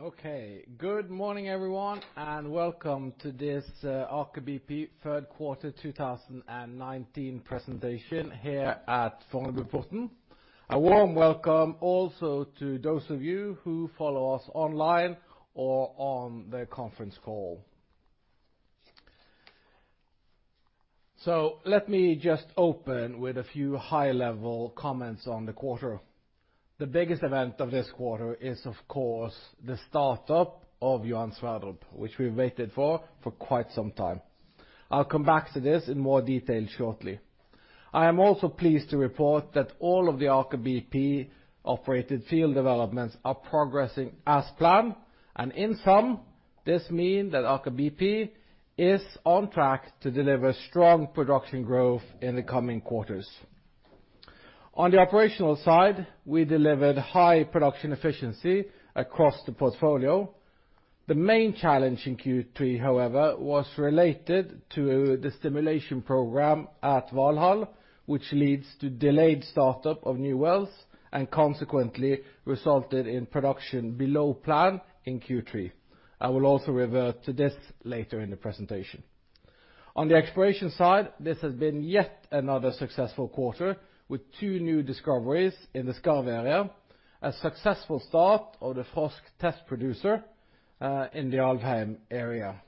Okay. Good morning, everyone, and welcome to this Aker BP third quarter 2019 presentation here at Fornebuporten. A warm welcome also to those of you who follow us online or on the conference call. Let me just open with a few high-level comments on the quarter. The biggest event of this quarter is, of course, the start-up of Johan Sverdrup, which we waited for quite some time. I'll come back to this in more detail shortly. I am also pleased to report that all of the Aker BP-operated field developments are progressing as planned, and in sum, this mean that Aker BP is on track to deliver strong production growth in the coming quarters. On the operational side, we delivered high production efficiency across the portfolio. The main challenge in Q3, however, was related to the stimulation program at Valhall, which leads to delayed start-up of new wells and consequently resulted in production below plan in Q3. I will also revert to this later in the presentation. On the exploration side, this has been yet another successful quarter with two new discoveries in the Skarv area, a successful start of the Frosk test producer, in the Alvheim area.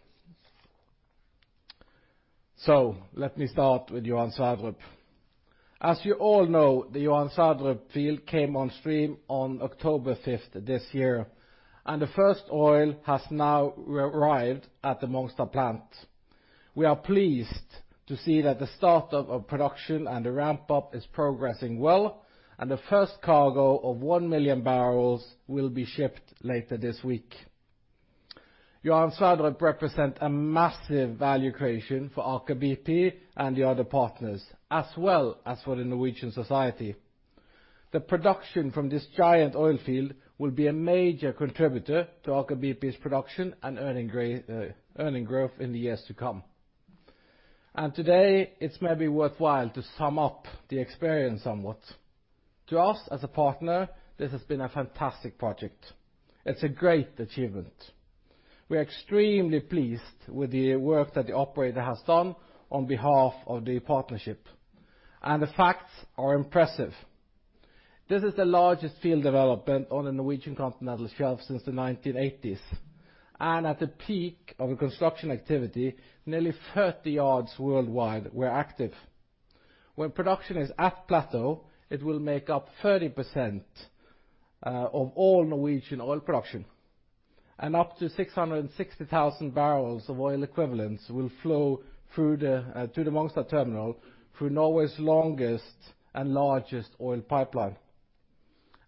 Let me start with Johan Sverdrup. As you all know, the Johan Sverdrup field came on stream on October 5th this year, and the first oil has now arrived at the Mongstad plant. We are pleased to see that the start of production and the ramp-up is progressing well, and the first cargo of 1 million barrels will be shipped later this week. Johan Sverdrup represent a massive value creation for Aker BP and the other partners, as well as for the Norwegian society. The production from this giant oil field will be a major contributor to Aker BP's production and earning growth in the years to come. Today it's maybe worthwhile to sum up the experience somewhat. To us, as a partner, this has been a fantastic project. It's a great achievement. We are extremely pleased with the work that the operator has done on behalf of the partnership, and the facts are impressive. This is the largest field development on the Norwegian continental shelf since the 1980s, and at the peak of construction activity, nearly 30 yards worldwide were active. When production is at plateau, it will make up 30% of all Norwegian oil production. Up to 660,000 barrels of oil equivalents will flow through to the Mongstad Terminal through Norway's longest and largest oil pipeline.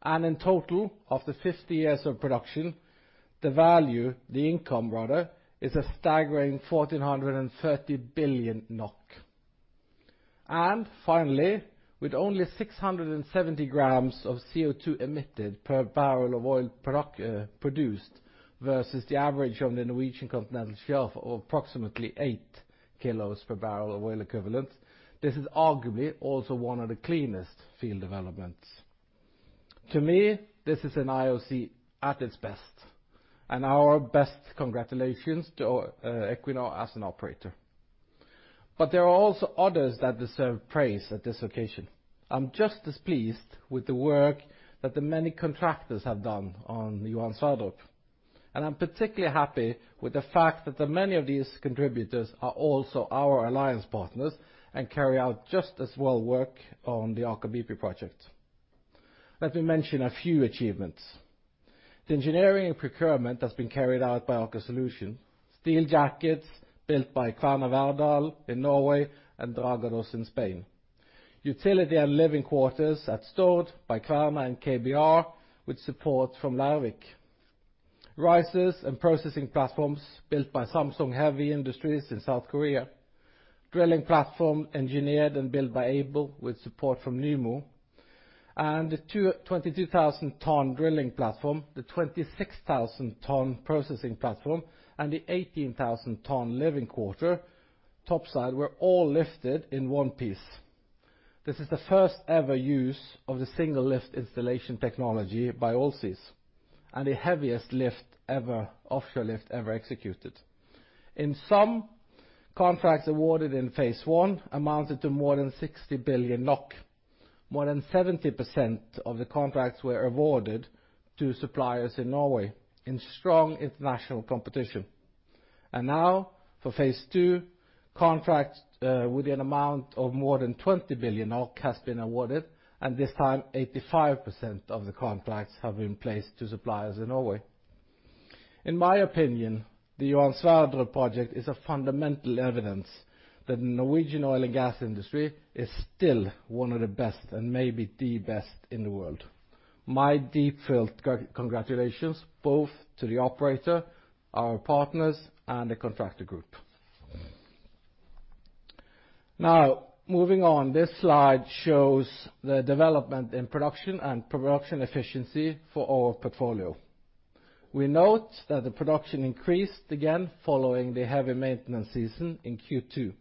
In total, after 50 years of production, the value, the income rather, is a staggering 1,430 billion NOK. Finally, with only 670 grams of CO2 emitted per barrel of oil produced versus the average of the Norwegian continental shelf of approximately eight kilos per barrel of oil equivalent, this is arguably also one of the cleanest field developments. To me, this is an IOC at its best, and our best congratulations to Equinor as an operator. There are also others that deserve praise at this occasion. I'm just as pleased with the work that the many contractors have done on Johan Sverdrup, and I'm particularly happy with the fact that the many of these contributors are also our alliance partners and carry out just as well work on the Aker BP project. Let me mention a few achievements. The engineering and procurement has been carried out by Aker Solutions. Steel jackets built by Kværner Verdal in Norway and Dragados in Spain. Utility and living quarters at Stord by Kværner and KBR, with support from Larvik. Risers and processing platforms built by Samsung Heavy Industries in South Korea. Drilling platform engineered and built by Aibel with support from Nymo. The 22,000 ton drilling platform, the 26,000 ton processing platform, and the 18,000 ton living quarter topside were all lifted in one piece. This is the first ever use of the single-lift installation technology by Allseas and the heaviest lift ever, offshore lift ever executed. In sum, contracts awarded in phase one amounted to more than 60 billion NOK. More than 70% of the contracts were awarded to suppliers in Norway in strong international competition. Now for phase 2, contracts with an amount of more than 20 billion NOK has been awarded, and this time, 85% of the contracts have been placed to suppliers in Norway. In my opinion, the Johan Sverdrup project is a fundamental evidence that Norwegian oil and gas industry is still one of the best and maybe the best in the world. My deep felt congratulations both to the operator, our partners and the contractor group. Now moving on. This slide shows the development in production and production efficiency for our portfolio. We note that the production increased again following the heavy maintenance season in Q2.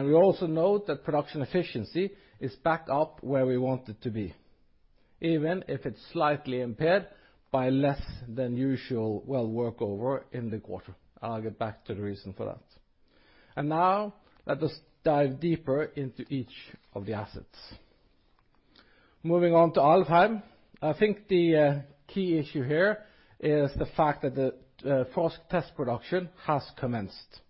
We also note that production efficiency is back up where we want it to be, even if it's slightly impaired by less than usual well workover in the quarter. I'll get back to the reason for that. Now let us dive deeper into each of the assets. Moving on to Alvheim. I think the key issue here is the fact that the Frosk test production has commenced.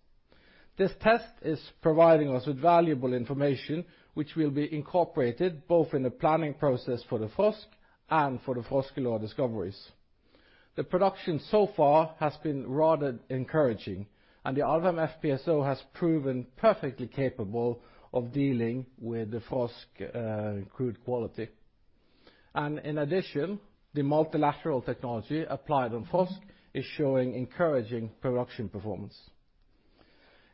This test is providing us with valuable information which will be incorporated both in the planning process for the Frosk and for the Froskelår discoveries. The production so far has been rather encouraging, and the Alvheim FPSO has proven perfectly capable of dealing with the Frosk crude quality. In addition, the multilateral technology applied on Frosk is showing encouraging production performance.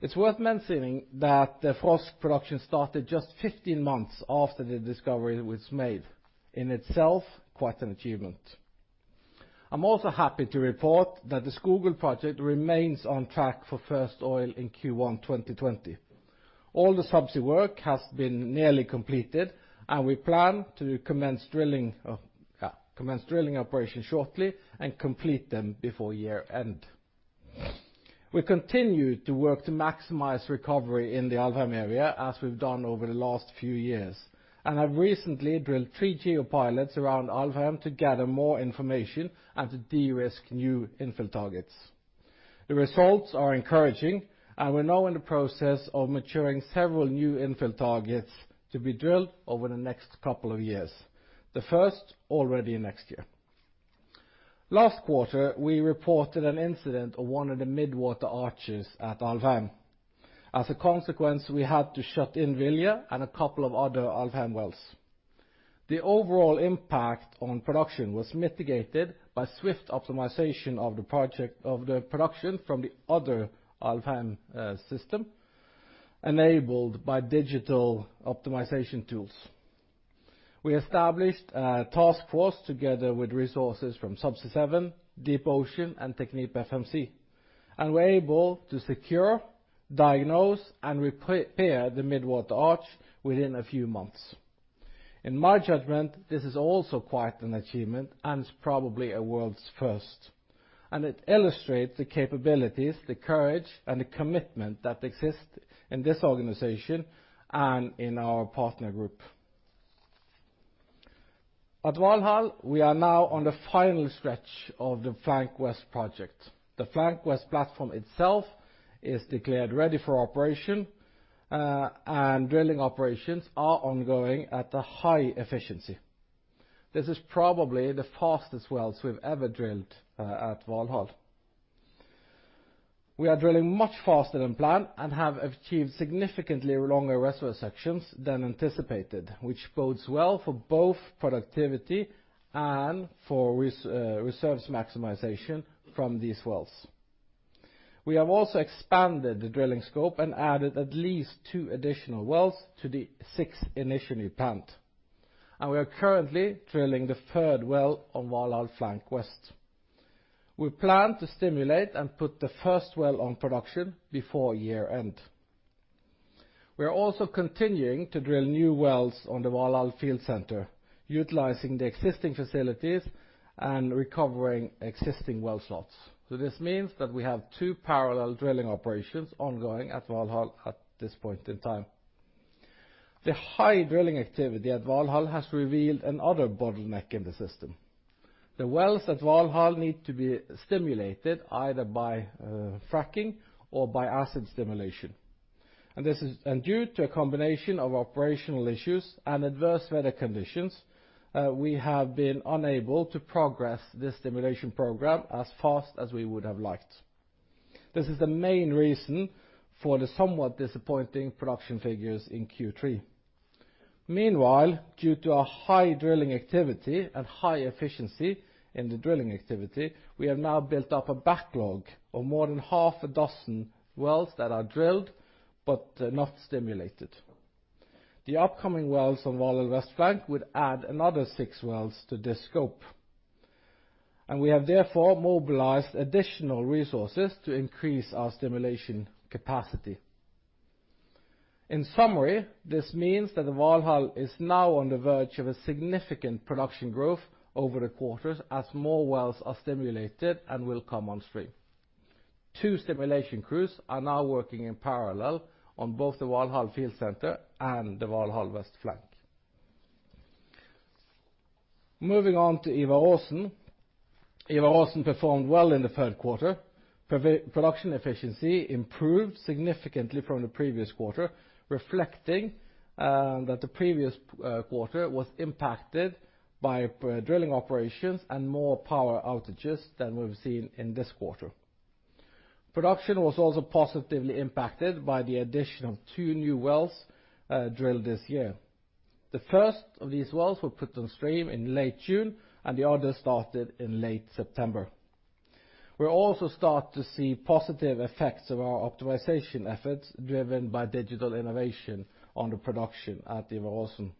It's worth mentioning that the Frosk production started just 15 months after the discovery was made. In itself, quite an achievement. I'm also happy to report that the Skogul project remains on track for first oil in Q1 2020. All the subsea work has been nearly completed, and we plan to commence drilling operations shortly and complete them before year-end. We continue to work to maximize recovery in the Alvheim area as we've done over the last few years, and have recently drilled three geopilots around Alvheim to gather more information and to de-risk new infill targets. The results are encouraging, and we're now in the process of maturing several new infill targets to be drilled over the next couple of years, the first already next year. Last quarter, we reported an incident on one of the mid-water arches at Alvheim. As a consequence, we had to shut in Vilje and a couple of other Alvheim wells. The overall impact on production was mitigated by swift optimization of the production from the other Alvheim system, enabled by digital optimization tools. We established a task force together with resources from Subsea7, DeepOcean, and TechnipFMC, and were able to secure, diagnose, and repair the mid-water arch within a few months. In my judgment, this is also quite an achievement and is probably a world's first, and it illustrates the capabilities, the courage, and the commitment that exist in this organization and in our partner group. At Valhall, we are now on the final stretch of the Flank West project. The Flank West platform itself is declared ready for operation, and drilling operations are ongoing at a high efficiency. This is probably the fastest wells we've ever drilled at Valhall. We are drilling much faster than planned and have achieved significantly longer reservoir sections than anticipated, which bodes well for both productivity and for reserves maximization from these wells. We have also expanded the drilling scope and added at least two additional wells to the six initially planned, and we are currently drilling the third well on Valhall Flank West. We plan to stimulate and put the first well on production before year-end. We are also continuing to drill new wells on the Valhall field center, utilizing the existing facilities and recovering existing well slots. This means that we have two parallel drilling operations ongoing at Valhall at this point in time. The high drilling activity at Valhall has revealed another bottleneck in the system. The wells at Valhall need to be stimulated either by fracking or by acid stimulation. Due to a combination of operational issues and adverse weather conditions, we have been unable to progress this stimulation program as fast as we would have liked. This is the main reason for the somewhat disappointing production figures in Q3. Meanwhile, due to a high drilling activity and high efficiency in the drilling activity, we have now built up a backlog of more than half a dozen wells that are drilled but not stimulated. The upcoming wells on Valhall West Flank would add another six wells to this scope. We have therefore mobilized additional resources to increase our stimulation capacity. In summary, this means that Valhall is now on the verge of a significant production growth over the quarters as more wells are stimulated and will come on stream. Two stimulation crews are now working in parallel on both the Valhall field center and the Valhall West Flank. Moving on to Ivar Aasen. Ivar Aasen performed well in the third quarter. Production efficiency improved significantly from the previous quarter, reflecting that the previous quarter was impacted by drilling operations and more power outages than we've seen in this quarter. Production was also positively impacted by the addition of two new wells drilled this year. The first of these wells were put on stream in late June, and the other started in late September. We also start to see positive effects of our optimization efforts, driven by digital innovation on the production at Ivar Aasen.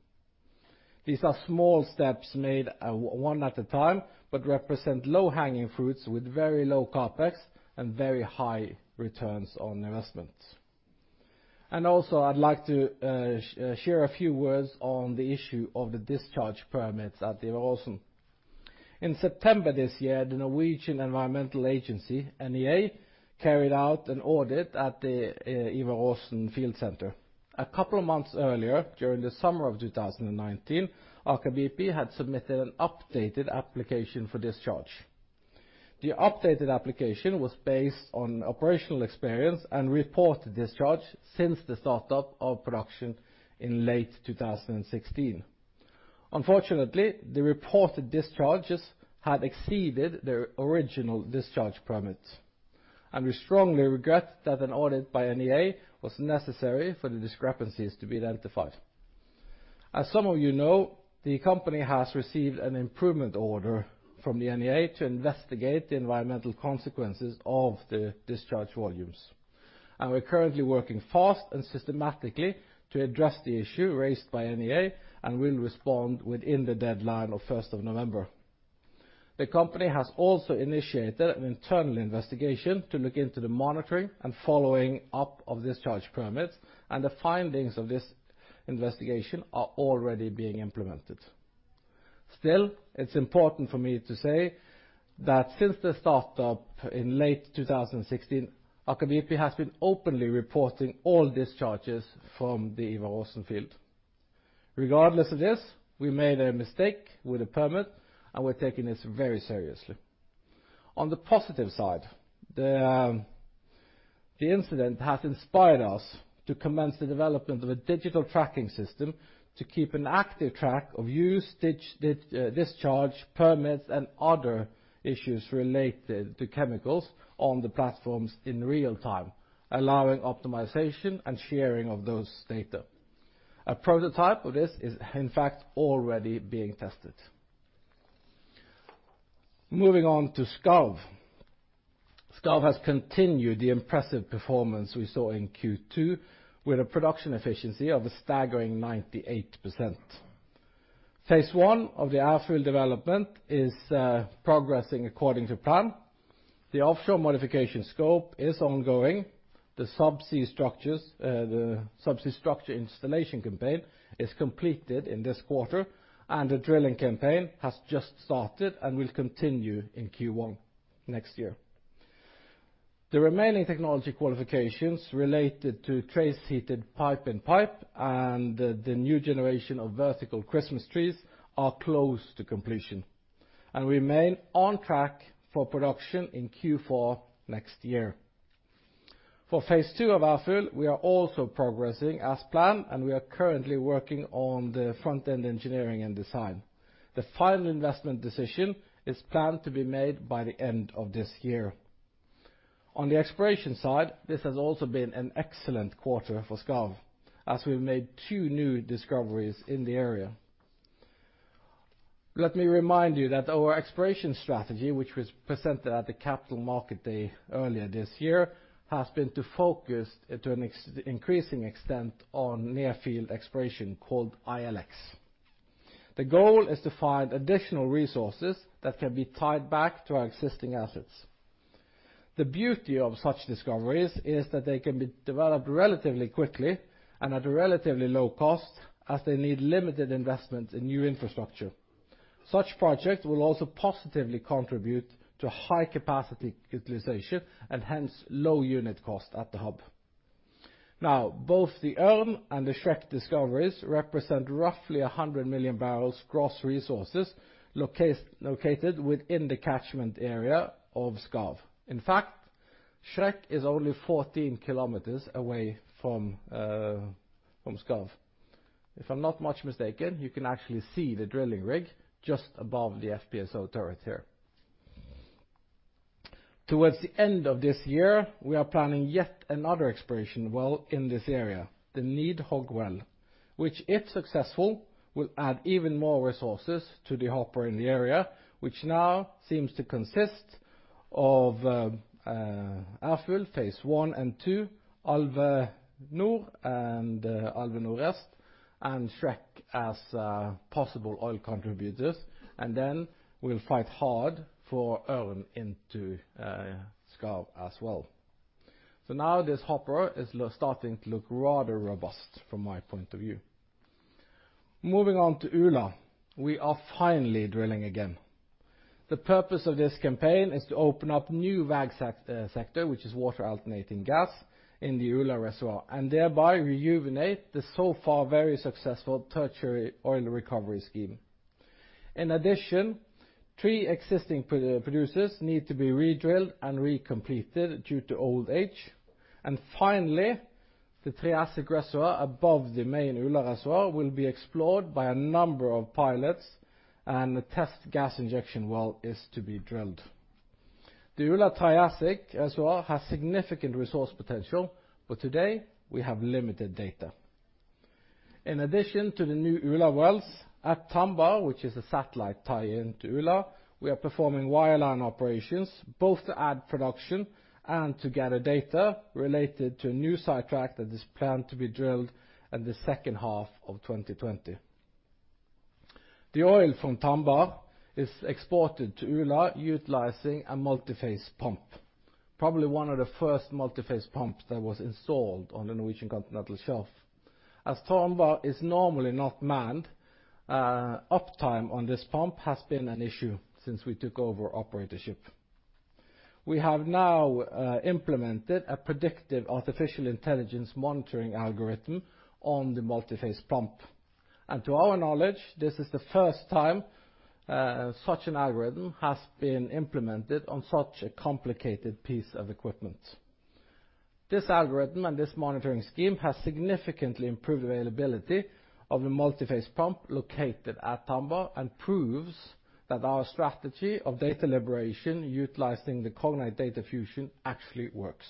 These are small steps made one at time, but represent low-hanging fruits with very low CapEx and very high returns on investments. Also, I'd like to share a few words on the issue of the discharge permits at Ivar Aasen. In September this year, the Norwegian Environmental Agency, NEA, carried out an audit at the Ivar Aasen field center. A couple of months earlier, during the summer of 2019, Aker BP had submitted an updated application for discharge. The updated application was based on operational experience and reported discharge since the start of production in late 2016. Unfortunately, the reported discharges had exceeded their original discharge permit, and we strongly regret that an audit by NEA was necessary for the discrepancies to be identified. As some of you know, the company has received an improvement order from the NEA to investigate the environmental consequences of the discharge volumes. We're currently working fast and systematically to address the issue raised by NEA and will respond within the deadline of 1st of November. The company has also initiated an internal investigation to look into the monitoring and following up of discharge permits, and the findings of this investigation are already being implemented. Still, it's important for me to say that since the start up in late 2016, Aker BP has been openly reporting all discharges from the Ivar Aasen field. Regardless of this, we made a mistake with the permit, and we're taking this very seriously. On the positive side, the incident has inspired us to commence the development of a digital tracking system to keep an active track of use, discharge permits, and other issues related to chemicals on the platforms in real time, allowing optimization and sharing of those data. A prototype of this is, in fact, already being tested. Moving on to Skarv. Skarv has continued the impressive performance we saw in Q2 with a production efficiency of a staggering 98%. Phase 1 of the Ærfugl development is progressing according to plan. The offshore modification scope is ongoing. The subsea structure installation campaign is completed in this quarter, and the drilling campaign has just started and will continue in Q1 next year. The remaining technology qualifications related to trace heated pipe-in-pipe and the new generation of vertical Christmas trees are close to completion and remain on track for production in Q4 next year. For phase two of Ærfugl, we are also progressing as planned, and we are currently working on the front-end engineering and design. The final investment decision is planned to be made by the end of this year. On the exploration side, this has also been an excellent quarter for Skarv as we've made two new discoveries in the area. Let me remind you that our exploration strategy, which was presented at the Capital Markets Day earlier this year, has been to focus to an increasing extent on near field exploration called ILX. The goal is to find additional resources that can be tied back to our existing assets. The beauty of such discoveries is that they can be developed relatively quickly and at a relatively low cost, as they need limited investment in new infrastructure. Such projects will also positively contribute to high capacity utilization and hence low unit cost at the hub. Both the Ørn and the Shrek discoveries represent roughly 100 million barrels gross resources located within the catchment area of Skarv. In fact, Shrek is only 14 kilometers away from Skarv. If I'm not much mistaken, you can actually see the drilling rig just above the FPSO turrets here. Towards the end of this year, we are planning yet another exploration well in this area, the Nidhogg well, which, if successful, will add even more resources to the hopper in the area, which now seems to consist of Ærfugl phase 1 and 2, Alve Nord and Alve Nord Est, and Shrek as possible oil contributors, and then we'll fight hard for Ørn into Skarv as well. Now this hopper is starting to look rather robust from my point of view. Moving on to Ula. We are finally drilling again. The purpose of this campaign is to open up new WAG sector, which is water alternating gas, in the Ula reservoir, and thereby rejuvenate the so far very successful tertiary oil recovery scheme. In addition, three existing producers need to be redrilled and recompleted due to old age. Finally, the Triassic reservoir above the main Ula reservoir will be explored by a number of pilots, and the test gas injection well is to be drilled. The Ula Triassic reservoir has significant resource potential, but today we have limited data. In addition to the new Ula wells at Tambar, which is a satellite tie-in to Ula, we are performing wireline operations both to add production and to gather data related to a new sidetrack that is planned to be drilled in the second half of 2020. The oil from Tambar is exported to Ula utilizing a multiphase pump, probably one of the first multiphase pumps that was installed on the Norwegian Continental Shelf. Tambar is normally not manned, uptime on this pump has been an issue since we took over operatorship. We have now implemented a predictive artificial intelligence monitoring algorithm on the multiphase pump. To our knowledge, this is the first time such an algorithm has been implemented on such a complicated piece of equipment. This algorithm and this monitoring scheme has significantly improved availability of the multiphase pump located at Tambar and proves that our strategy of data liberation utilizing the Cognite Data Fusion actually works.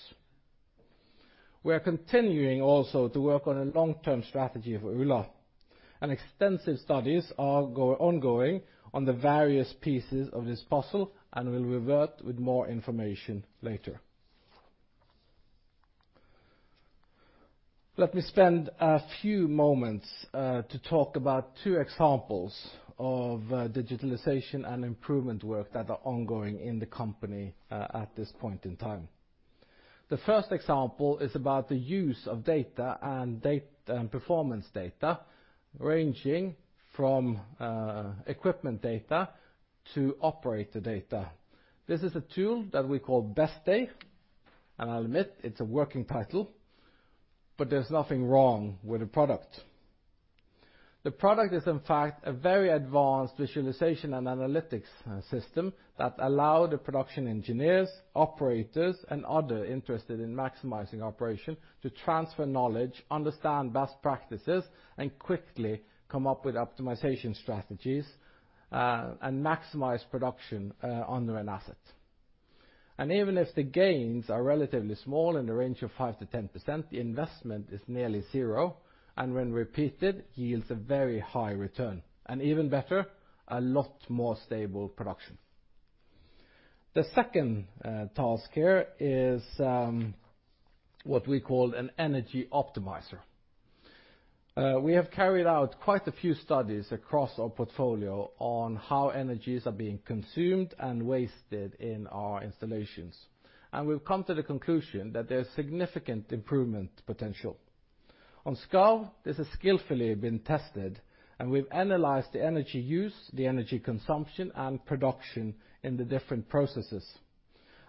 We are continuing also to work on a long-term strategy for Ula, and extensive studies are ongoing on the various pieces of this puzzle, and we'll revert with more information later. Let me spend a few moments to talk about two examples of digitalization and improvement work that are ongoing in the company at this point in time. The first example is about the use of data and performance data, ranging from equipment data to operator data. This is a tool that we call Best Day, and I'll admit, it's a working title, but there's nothing wrong with the product. The product is, in fact, a very advanced visualization and analytics system that allow the production engineers, operators, and other interested in maximizing operation to transfer knowledge, understand best practices, and quickly come up with optimization strategies, and maximize production on an asset. Even if the gains are relatively small in the range of 5%-10%, the investment is nearly zero, and when repeated, yields a very high return. Even better, a lot more stable production. The second task here is what we call an energy optimizer. We have carried out quite a few studies across our portfolio on how energies are being consumed and wasted in our installations. We've come to the conclusion that there is significant improvement potential. On Skarv, this has skillfully been tested, and we've analyzed the energy use, the energy consumption, and production in the different processes.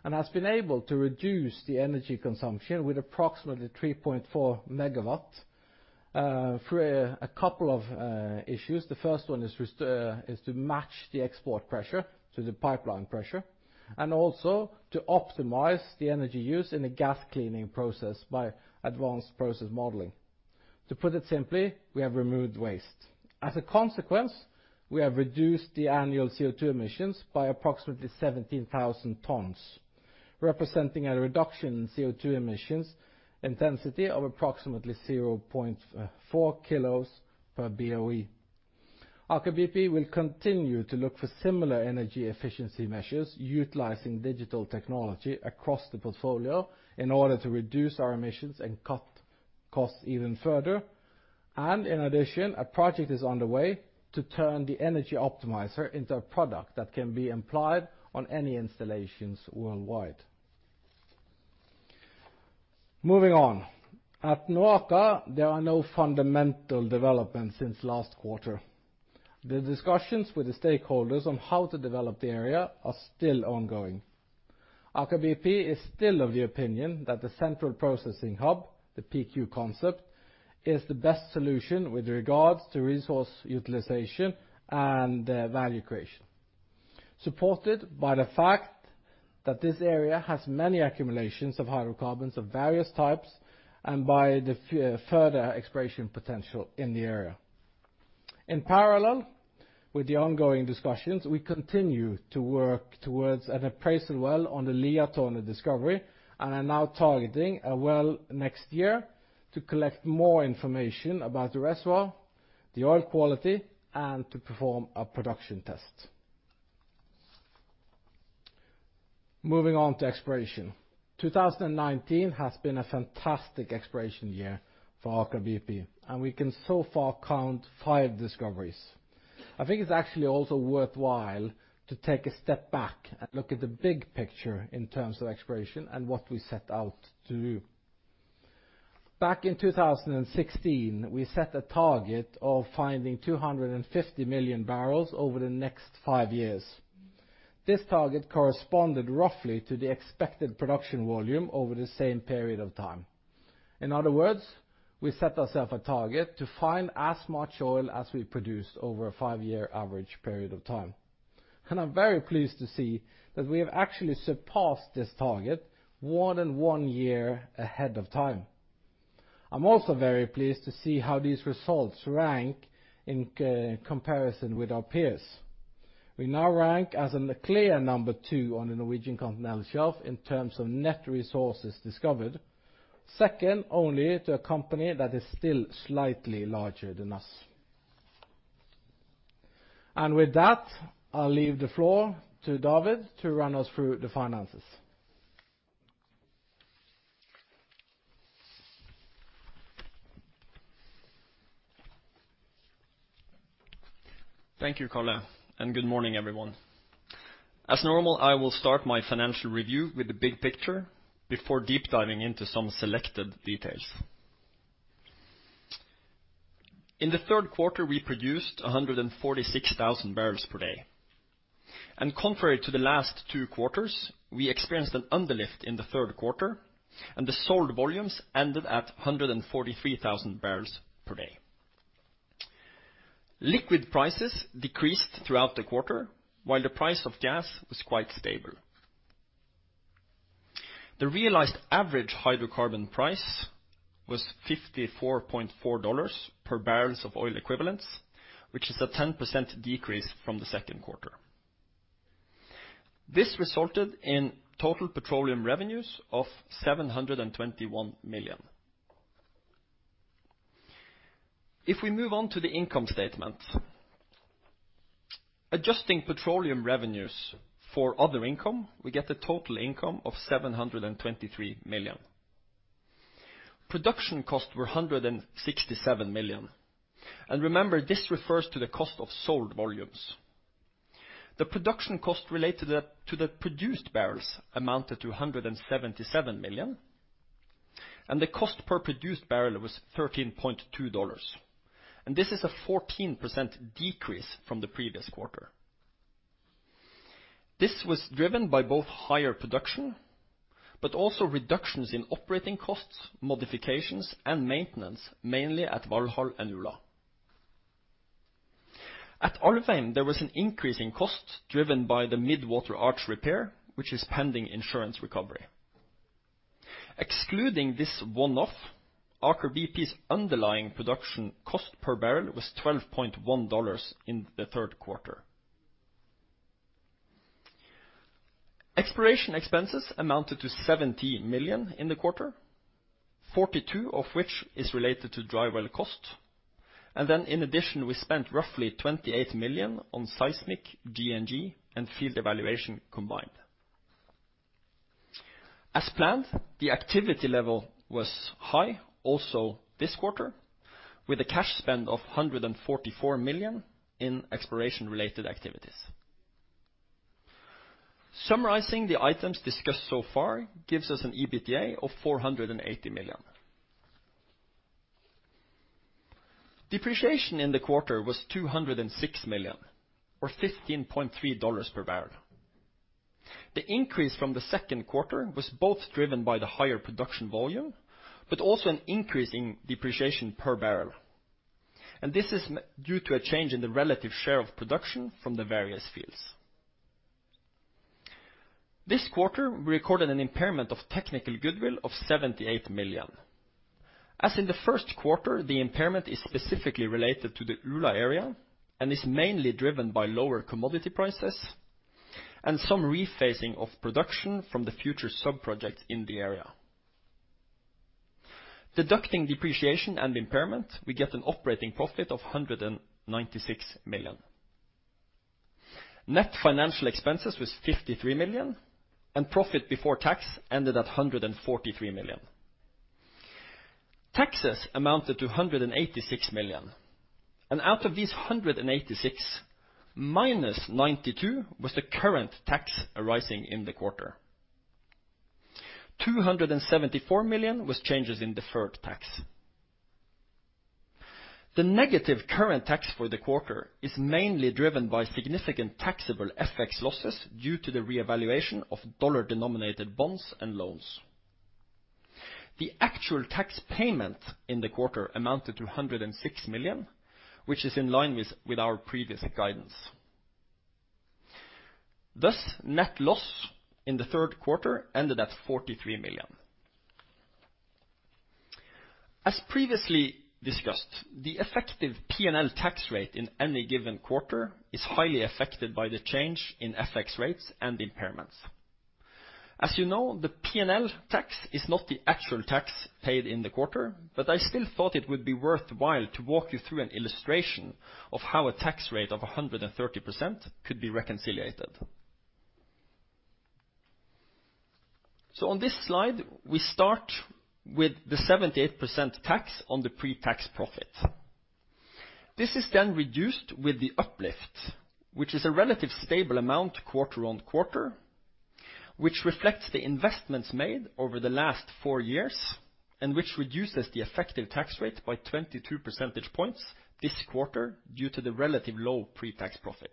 Has been able to reduce the energy consumption with approximately 3.4 MW through a couple of issues. The first one is to match the export pressure to the pipeline pressure, and also to optimize the energy use in the gas cleaning process by advanced process modeling. To put it simply, we have removed waste. As a consequence, we have reduced the annual CO2 emissions by approximately 17,000 tons, representing a reduction in CO2 emissions intensity of approximately 0.4 kilos per BOE. Aker BP will continue to look for similar energy efficiency measures utilizing digital technology across the portfolio in order to reduce our emissions and cut costs even further. In addition, a project is underway to turn the energy optimizer into a product that can be applied on any installations worldwide. Moving on. At NOAKA, there are no fundamental developments since last quarter. The discussions with the stakeholders on how to develop the area are still ongoing. Aker BP is still of the opinion that the central processing hub, the PQ concept, is the best solution with regards to resource utilization and value creation. Supported by the fact that this area has many accumulations of hydrocarbons of various types, and by the further exploration potential in the area. In parallel with the ongoing discussions, we continue to work towards an appraisal well on the Liatårnet discovery and are now targeting a well next year to collect more information about the reservoir, the oil quality, and to perform a production test. Moving on to exploration. 2019 has been a fantastic exploration year for Aker BP, and we can so far count five discoveries. I think it's actually also worthwhile to take a step back and look at the big picture in terms of exploration and what we set out to do. Back in 2016, we set a target of finding 250 million barrels over the next five years. This target corresponded roughly to the expected production volume over the same period of time. In other words, we set ourself a target to find as much oil as we produced over a five-year average period of time. I'm very pleased to see that we have actually surpassed this target more than one year ahead of time. I'm also very pleased to see how these results rank in comparison with our peers. We now rank as a clear number 2 on the Norwegian Continental Shelf in terms of net resources discovered, second only to a company that is still slightly larger than us. With that, I'll leave the floor to David to run us through the finances. Thank you, Karl, and good morning, everyone. As normal, I will start my financial review with the big picture before deep diving into some selected details. In the third quarter, we produced 146,000 barrels per day. Contrary to the last two quarters, we experienced an underlift in the third quarter, and the sold volumes ended at 143,000 barrels per day. Liquid prices decreased throughout the quarter, while the price of gas was quite stable. The realized average hydrocarbon price was $54.4 per barrels of oil equivalents, which is a 10% decrease from the second quarter. This resulted in total petroleum revenues of 721 million. If we move on to the income statement. Adjusting petroleum revenues for other income, we get a total income of 723 million. Production costs were 167 million. Remember, this refers to the cost of sold volumes. The production cost related to the produced barrels amounted to 177 million, and the cost per produced barrel was $13.2. This is a 14% decrease from the previous quarter. This was driven by both higher production, but also reductions in operating costs, modifications, and maintenance, mainly at Valhall and Ula. At Alvheim, there was an increase in cost driven by the mid-water arch repair, which is pending insurance recovery. Excluding this one-off, Aker BP's underlying production cost per barrel was $12.10 in the third quarter. Exploration expenses amounted to 70 million in the quarter, 42 million of which is related to dry well cost. In addition, we spent roughly 28 million on seismic G&G and field evaluation combined. As planned, the activity level was high also this quarter, with a cash spend of 144 million in exploration-related activities. Summarizing the items discussed so far gives us an EBITDA of 480 million. Depreciation in the quarter was 206 million, or $15.30 per barrel. The increase from the second quarter was both driven by the higher production volume, but also an increase in depreciation per barrel. This is due to a change in the relative share of production from the various fields. This quarter, we recorded an impairment of technical goodwill of 78 million. As in the first quarter, the impairment is specifically related to the Ula area and is mainly driven by lower commodity prices and some rephasing of production from the future sub-projects in the area. Deducting depreciation and impairment, we get an operating profit of 196 million. Net financial expenses was 53 million, and profit before tax ended at 143 million. Taxes amounted to 186 million. Out of these 186, minus 92 was the current tax arising in the quarter. 274 million was changes in deferred tax. The negative current tax for the quarter is mainly driven by significant taxable FX losses due to the reevaluation of dollar-denominated bonds and loans. The actual tax payment in the quarter amounted to 106 million, which is in line with our previous guidance. Thus, net loss in the third quarter ended at 43 million. As previously discussed, the effective P&L tax rate in any given quarter is highly affected by the change in FX rates and impairments. As you know, the P&L tax is not the actual tax paid in the quarter, but I still thought it would be worthwhile to walk you through an illustration of how a tax rate of 130% could be reconciliated. On this slide, we start with the 78% tax on the pre-tax profit. This is reduced with the uplift, which is a relative stable amount quarter-on-quarter, which reflects the investments made over the last four years and which reduces the effective tax rate by 22 percentage points this quarter due to the relative low pre-tax profit.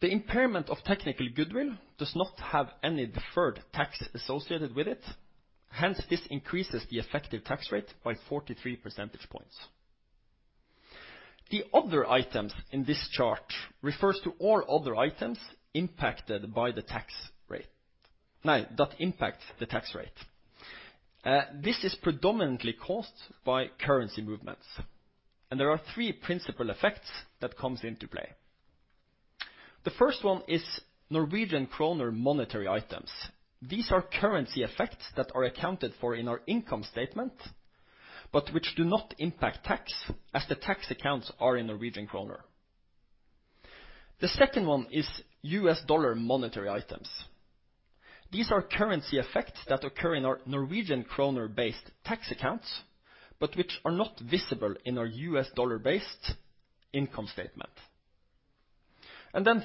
The impairment of technical goodwill does not have any deferred tax associated with it. This increases the effective tax rate by 43 percentage points. The other items in this chart refers to all other items that impact the tax rate. This is predominantly caused by currency movements, there are three principal effects that comes into play. The first one is Norwegian kroner monetary items. These are currency effects that are accounted for in our income statement, but which do not impact tax, as the tax accounts are in Norwegian kroner. The second one is US dollar monetary items. These are currency effects that occur in our Norwegian kroner-based tax accounts, but which are not visible in our US dollar-based income statement.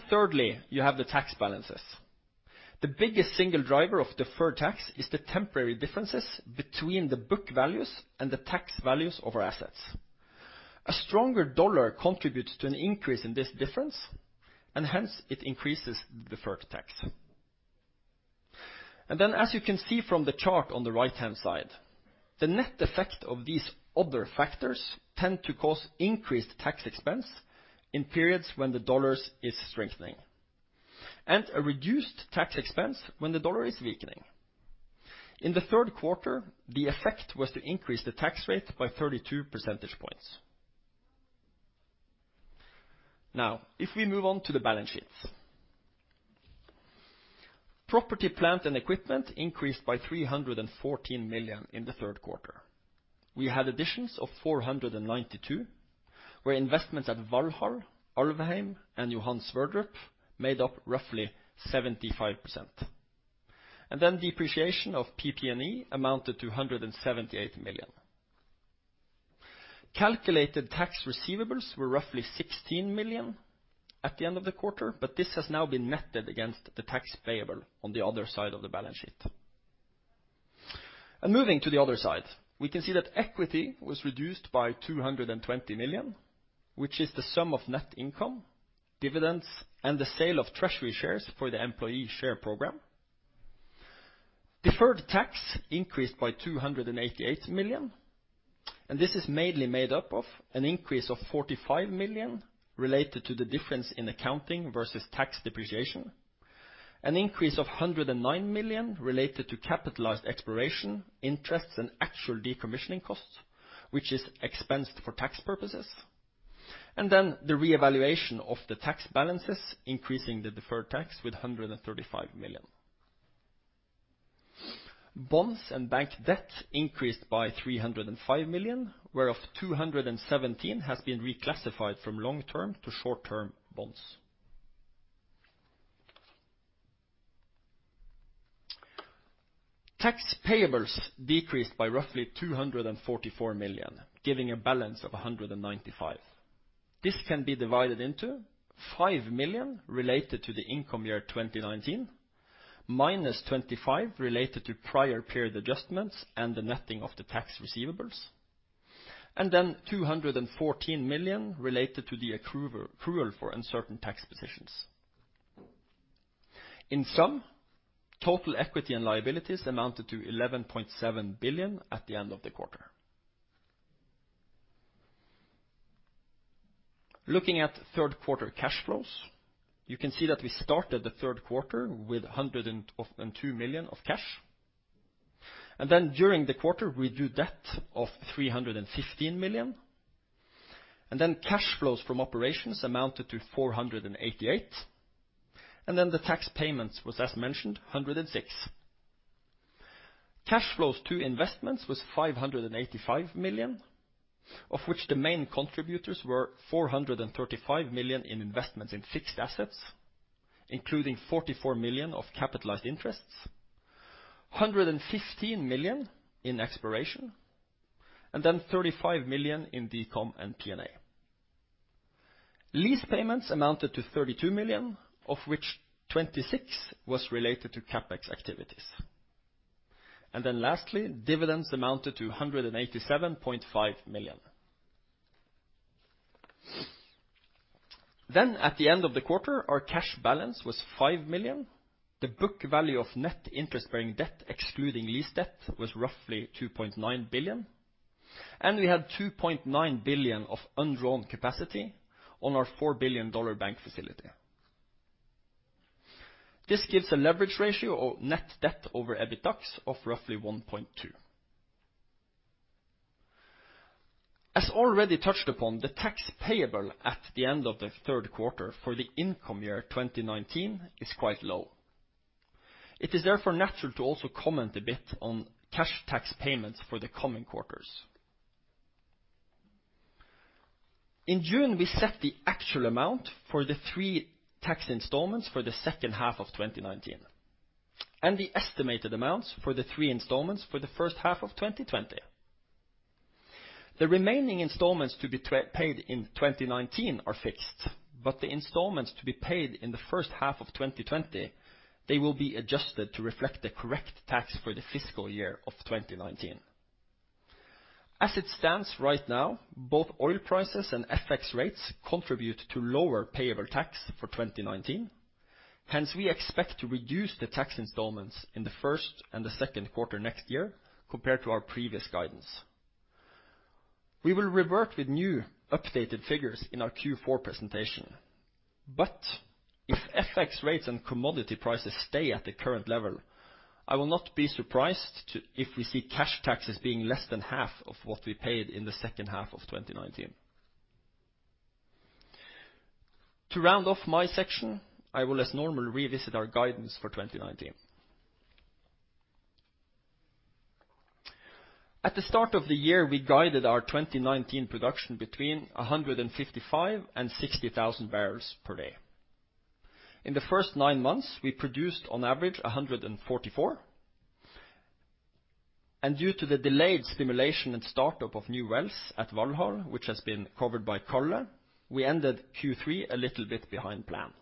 Thirdly, you have the tax balances. The biggest single driver of deferred tax is the temporary differences between the book values and the tax values of our assets. A stronger dollar contributes to an increase in this difference, and hence it increases deferred tax. As you can see from the chart on the right-hand side, the net effect of these other factors tend to cause increased tax expense in periods when the dollar is strengthening, and a reduced tax expense when the dollar is weakening. In the third quarter, the effect was to increase the tax rate by 32 percentage points. Now, if we move on to the balance sheets. Property, plant, and equipment increased by 314 million in the third quarter. We had additions of 492 million, where investments at Valhall, Alvheim, and Johan Sverdrup made up roughly 75%. Then depreciation of PP&E amounted to 178 million. Calculated tax receivables were roughly 16 million at the end of the quarter, but this has now been netted against the tax payable on the other side of the balance sheet. Moving to the other side, we can see that equity was reduced by 220 million, which is the sum of net income, dividends, and the sale of treasury shares for the employee share program. Deferred tax increased by 288 million. This is mainly made up of an increase of 45 million related to the difference in accounting versus tax depreciation, an increase of 109 million related to capitalized exploration interests and actual decommissioning costs, which is expensed for tax purposes, and the reevaluation of the tax balances increasing the deferred tax with 135 million. Bonds and bank debt increased by 305 million, whereof 217 has been reclassified from long-term to short-term bonds. Tax payables decreased by roughly 244 million, giving a balance of 195. This can be divided into 5 million related to the income year 2019, minus 25 related to prior period adjustments and the netting of the tax receivables, and 214 million related to the accrual for uncertain tax positions. In sum, total equity and liabilities amounted to 11.7 billion at the end of the quarter. Looking at third quarter cash flows, you can see that we started the third quarter with 102 million of cash. During the quarter, we drew debt of 315 million. Cash flows from operations amounted to 488 million. The tax payments was, as mentioned, 106 million. Cash flows to investments was 585 million, of which the main contributors were 435 million in investments in fixed assets, including 44 million of capitalized interests, 115 million in exploration, and 35 million in decom and P&A. Lease payments amounted to 32 million, of which 26 million was related to CapEx activities. Lastly, dividends amounted to 187.5 million. At the end of the quarter, our cash balance was 5 million. The book value of net interest-bearing debt, excluding lease debt, was roughly 2.9 billion, and we had 2.9 billion of undrawn capacity on our $4 billion bank facility. This gives a leverage ratio of net debt over EBITDA of roughly 1.2. As already touched upon, the tax payable at the end of the third quarter for the income year 2019 is quite low. It is therefore natural to also comment a bit on cash tax payments for the coming quarters. In June, we set the actual amount for the three tax installments for the second half of 2019 and the estimated amounts for the three installments for the first half of 2020. The remaining installments to be paid in 2019 are fixed, but the installments to be paid in the first half of 2020, they will be adjusted to reflect the correct tax for the fiscal year of 2019. As it stands right now, both oil prices and FX rates contribute to lower payable tax for 2019. We expect to reduce the tax installments in the first and the second quarter next year compared to our previous guidance. We will revert with new updated figures in our Q4 presentation. If FX rates and commodity prices stay at the current level, I will not be surprised if we see cash taxes being less than half of what we paid in the second half of 2019. To round off my section, I will as normal revisit our guidance for 2019. At the start of the year, we guided our 2019 production between 155,000 and 60,000 barrels per day. In the first nine months, we produced on average 144,000. Due to the delayed stimulation and startup of new wells at Valhall, which has been covered by Karl, we ended Q3 a little bit behind plan.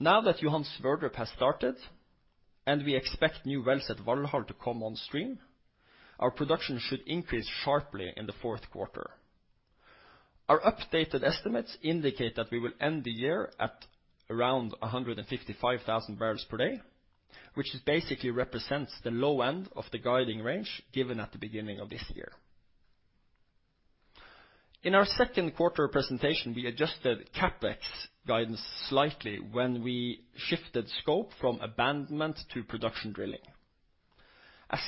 Johan Sverdrup has started, and we expect new wells at Valhall to come on stream, our production should increase sharply in the fourth quarter. Our updated estimates indicate that we will end the year at around 155,000 barrels per day, which basically represents the low end of the guiding range given at the beginning of this year. In our second quarter presentation, we adjusted CapEx guidance slightly when we shifted scope from abandonment to production drilling.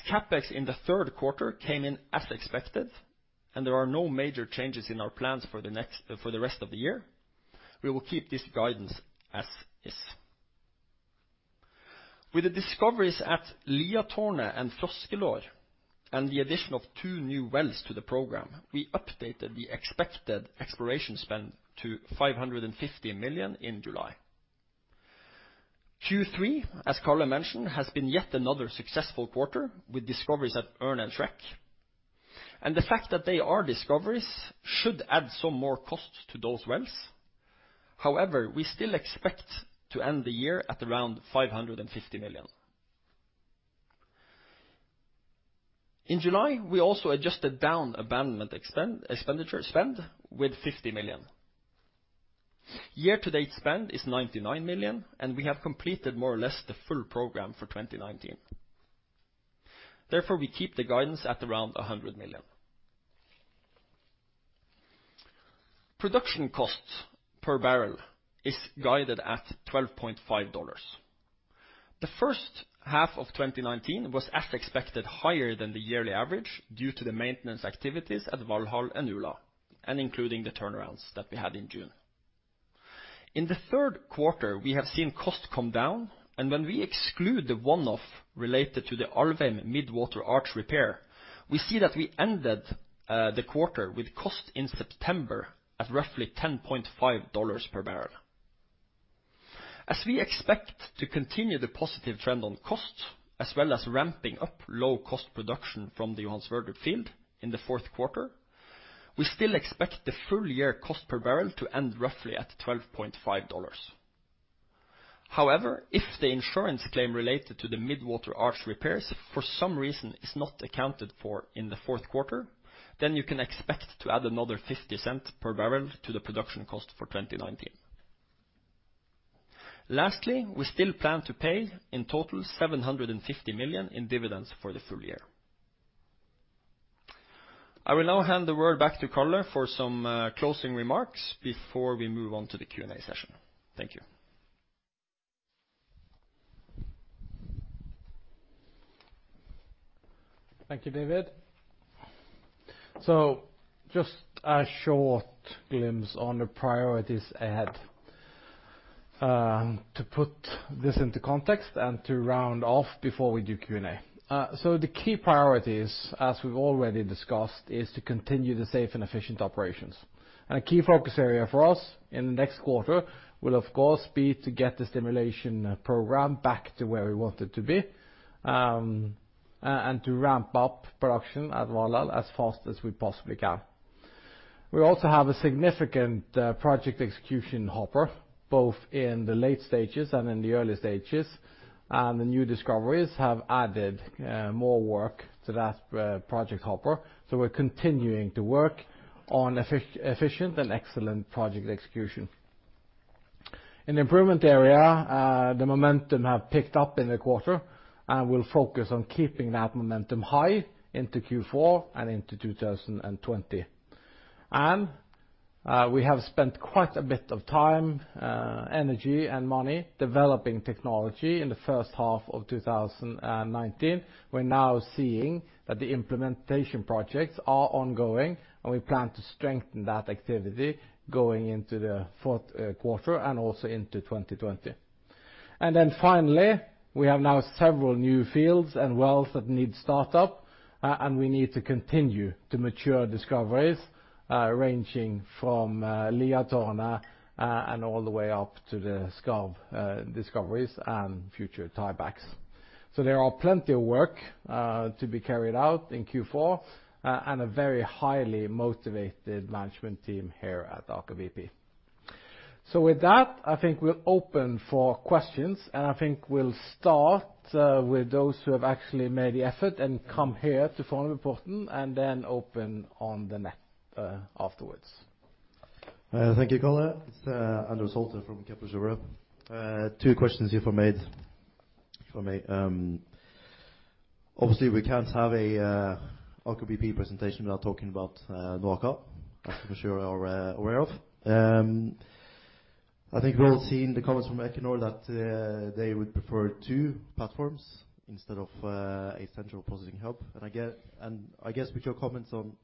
CapEx in the third quarter came in as expected, and there are no major changes in our plans for the rest of the year, we will keep this guidance as is. With the discoveries at Liatårnet and Froskelår, and the addition of two new wells to the program, we updated the expected exploration spend to 550 million in July. Q3, as Karl mentioned, has been yet another successful quarter, with discoveries at Ørn and Shrek. The fact that they are discoveries should add some more cost to those wells. However, we still expect to end the year at around 550 million. In July, we also adjusted down abandonment spend with 50 million. Year-to-date spend is 99 million, and we have completed more or less the full program for 2019. Therefore, we keep the guidance at around 100 million. Production cost per barrel is guided at 12.50 dollars. The first half of 2019 was, as expected, higher than the yearly average due to the maintenance activities at Valhall and Ula, and including the turnarounds that we had in June. In the third quarter, we have seen cost come down, and when we exclude the one-off related to the Alvheim mid-water arch repair, we see that we ended the quarter with cost in September at roughly $10.50 per barrel. As we expect to continue the positive trend on cost, as well as ramping up low-cost production from the Johan Sverdrup field in the fourth quarter, we still expect the full-year cost per barrel to end roughly at $12.50. However, if the insurance claim related to the mid-water arch repairs for some reason is not accounted for in the fourth quarter, then you can expect to add another $0.50 per barrel to the production cost for 2019. Lastly, we still plan to pay in total 750 million in dividends for the full year. I will now hand the word back to Karl for some closing remarks before we move on to the Q&A session. Thank you. Thank you, David. Just a short glimpse on the priorities ahead. To put this into context and to round off before we do Q&A. The key priorities, as we've already discussed, is to continue the safe and efficient operations. A key focus area for us in the next quarter will, of course, be to get the stimulation program back to where we want it to be, and to ramp up production at Valhall as fast as we possibly can. We also have a significant project execution hopper, both in the late stages and in the early stages, and the new discoveries have added more work to that project hopper. We're continuing to work on efficient and excellent project execution. In the improvement area, the momentum have picked up in the quarter, and we'll focus on keeping that momentum high into Q4 and into 2020. We have spent quite a bit of time, energy, and money developing technology in the first half of 2019. We're now seeing that the implementation projects are ongoing, and we plan to strengthen that activity going into the fourth quarter and also into 2020. Then finally, we have now several new fields and wells that need start-up, and we need to continue to mature discoveries, ranging from Liatårnet and all the way up to the Skarv discoveries and future tie-backs. There are plenty of work to be carried out in Q4 and a very highly motivated management team here at Aker BP. With that, I think we'll open for questions, and I think we'll start with those who have actually made the effort and come here to Fornebuporten and then open on the net afterwards. Thank you, Karl. It's Anders Holte from Kepler Cheuvreux. Two questions here for me. Obviously, we can't have a Aker BP presentation without talking about NOAKA, as you for sure are aware of. I think we've all seen the comments from Equinor that they would prefer two platforms instead of a central processing hub. I guess with your comments on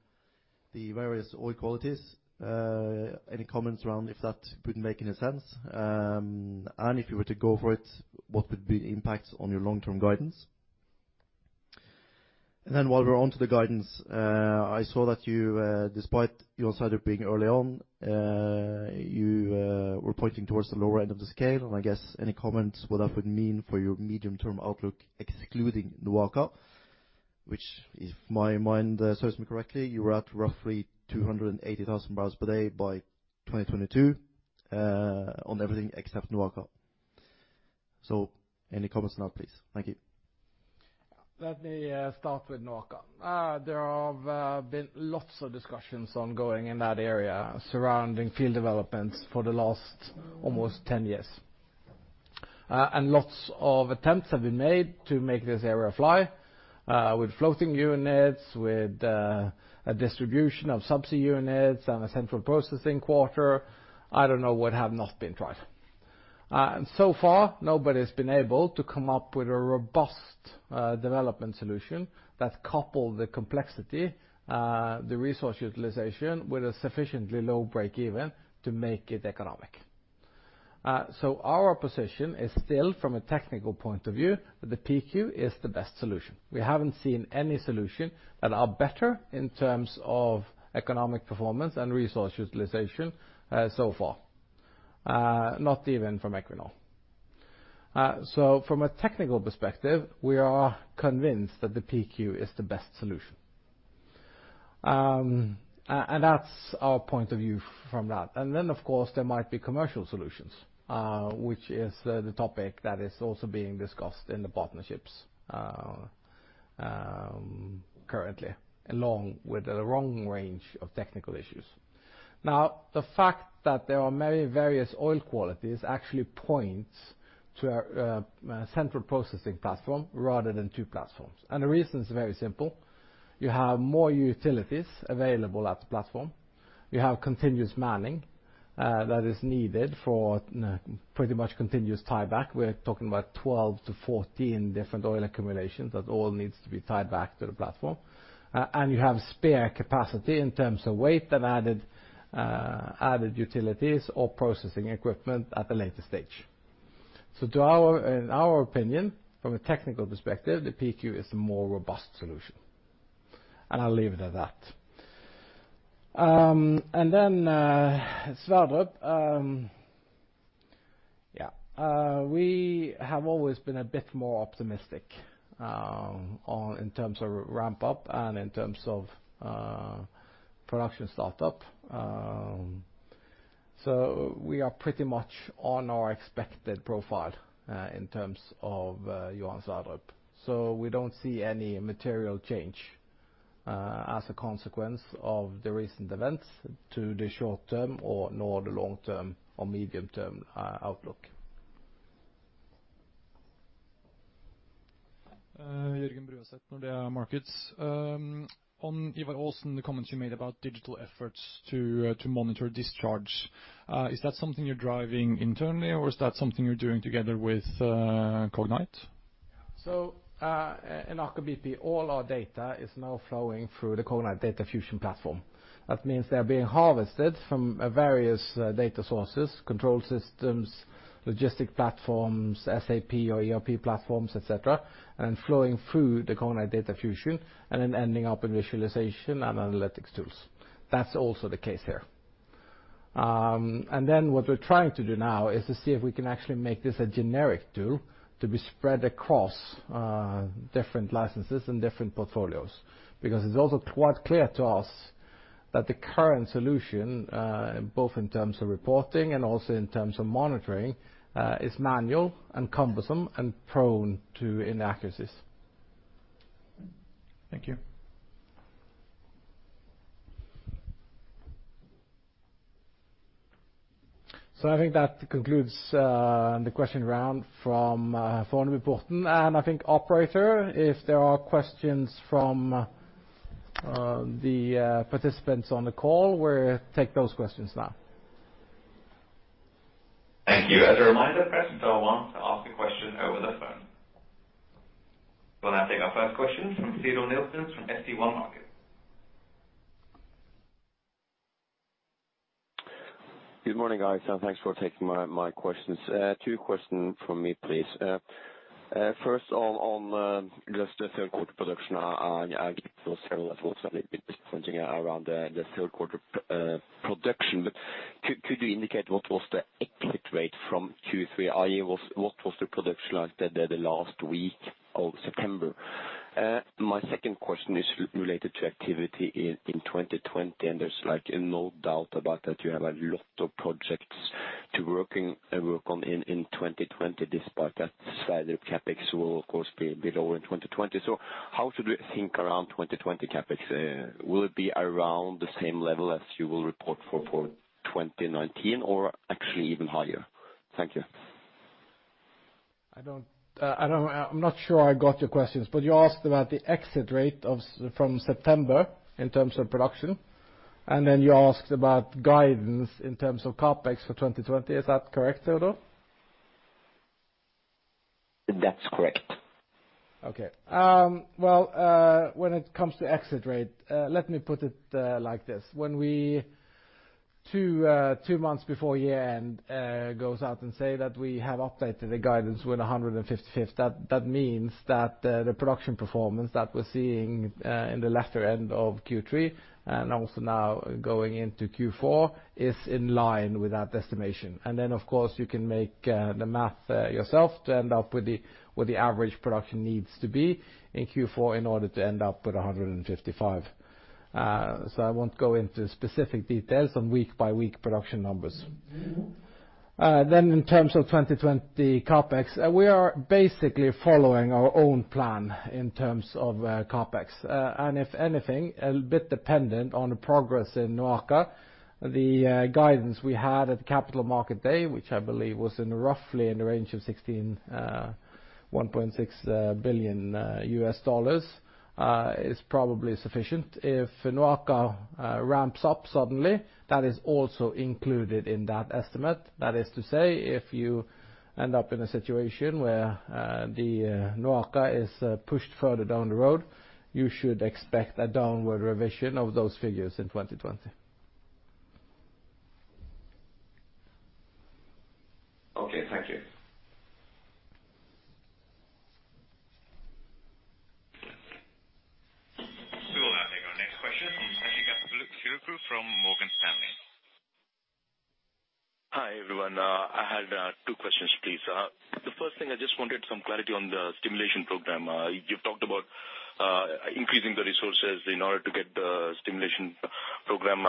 the various oil qualities. Any comments around if that would make any sense? If you were to go for it, what would be the impacts on your long-term guidance? While we're onto the guidance, I saw that you, despite Johan Sverdrup being early on, you were pointing towards the lower end of the scale. I guess, any comments what that would mean for your medium-term outlook, excluding NOAKA, which if my mind serves me correctly, you were at roughly 280,000 barrels per day by 2022, on everything except NOAKA. Any comments on that, please? Thank you. Let me start with NOAKA. There have been lots of discussions ongoing in that area surrounding field developments for the last almost 10 years. Lots of attempts have been made to make this area fly, with floating units, with a distribution of subsea units and a central processing quarter. I don't know what have not been tried. Far nobody's been able to come up with a robust development solution that couple the complexity, the resource utilization, with a sufficiently low break even to make it economic. Our position is still, from a technical point of view, that the PQ is the best solution. We haven't seen any solution that are better in terms of economic performance and resource utilization so far. Not even from Equinor. From a technical perspective, we are convinced that the PQ is the best solution. That's our point of view from that. Then of course, there might be commercial solutions, which is the topic that is also being discussed in the partnerships currently, along with a long range of technical issues. The fact that there are many various oil qualities actually points to a central processing platform rather than two platforms. The reason is very simple. You have more utilities available at the platform. You have continuous manning that is needed for pretty much continuous tieback. We're talking about 12 to 14 different oil accumulations that all needs to be tied back to the platform. You have spare capacity in terms of weight and added utilities or processing equipment at a later stage. In our opinion, from a technical perspective, the PQ is a more robust solution. I'll leave it at that. Then, Sverdrup. We have always been a bit more optimistic in terms of ramp up and in terms of production startup. We are pretty much on our expected profile in terms of Johan Sverdrup. We don't see any material change as a consequence of the recent events to the short term or nor the long term or medium-term outlook. Jørgen Bruaset, Nordea Markets. On Ivar Aasen, the comments you made about digital efforts to monitor discharge, is that something you're driving internally or is that something you're doing together with Cognite? In Aker BP, all our data is now flowing through the Cognite Data Fusion platform. That means they're being harvested from various data sources, control systems, logistic platforms, SAP or ERP platforms, et cetera, and flowing through the Cognite Data Fusion, and then ending up in visualization and analytics tools. That's also the case here. What we're trying to do now is to see if we can actually make this a generic tool to be spread across different licenses and different portfolios, because it's also quite clear to us that the current solution, both in terms of reporting and also in terms of monitoring, is manual and cumbersome and prone to inaccuracies. Thank you. I think that concludes the question round from. I think operator, if there are questions from the participants on the call, we'll take those questions now. Thank you. As a reminder, press star one to ask a question over the phone. We'll now take our first question from Teodor Sveen-Nilsen from SB1 Markets. Good morning, guys. Thanks for taking my questions. Two questions from me, please. First on just the third quarter production. I get those several thoughts and a bit disappointing around the third quarter production. Could you indicate what was the exit rate from Q3? What was the production like the last week of September? My second question is related to activity in 2020, and there's no doubt about that you have a lot of projects to work on in 2020, despite that side of CapEx will of course be lower in 2020. How do you think around 2020 CapEx? Will it be around the same level as you will report for 2019 or actually even higher? Thank you. I'm not sure I got your questions, but you asked about the exit rate from September in terms of production, and then you asked about guidance in terms of CapEx for 2020. Is that correct, Teodor? That's correct. Okay. Well, when it comes to exit rate, let me put it like this. When we, two months before year-end, goes out and say that we have updated the guidance with 155, that means that the production performance that we're seeing in the latter end of Q3 and also now going into Q4 is in line with that estimation. Of course, you can make the math yourself to end up with what the average production needs to be in Q4 in order to end up with 155. I won't go into specific details on week-by-week production numbers. In terms of 2020 CapEx, we are basically following our own plan in terms of CapEx. If anything, a bit dependent on the progress in NOAKA. The guidance we had at the Capital Markets Day, which I believe was roughly in the range of 16, $1.6 billion, is probably sufficient. If NOAKA ramps up suddenly, that is also included in that estimate. That is to say, if you end up in a situation where the NOAKA is pushed further down the road, you should expect a downward revision of those figures in 2020. Okay, thank you. We will now take our next question from Ashish Kapur from Morgan Stanley. Hi, everyone. I had two questions, please. The first thing, I just wanted some clarity on the stimulation program. You've talked about increasing the resources in order to get the stimulation program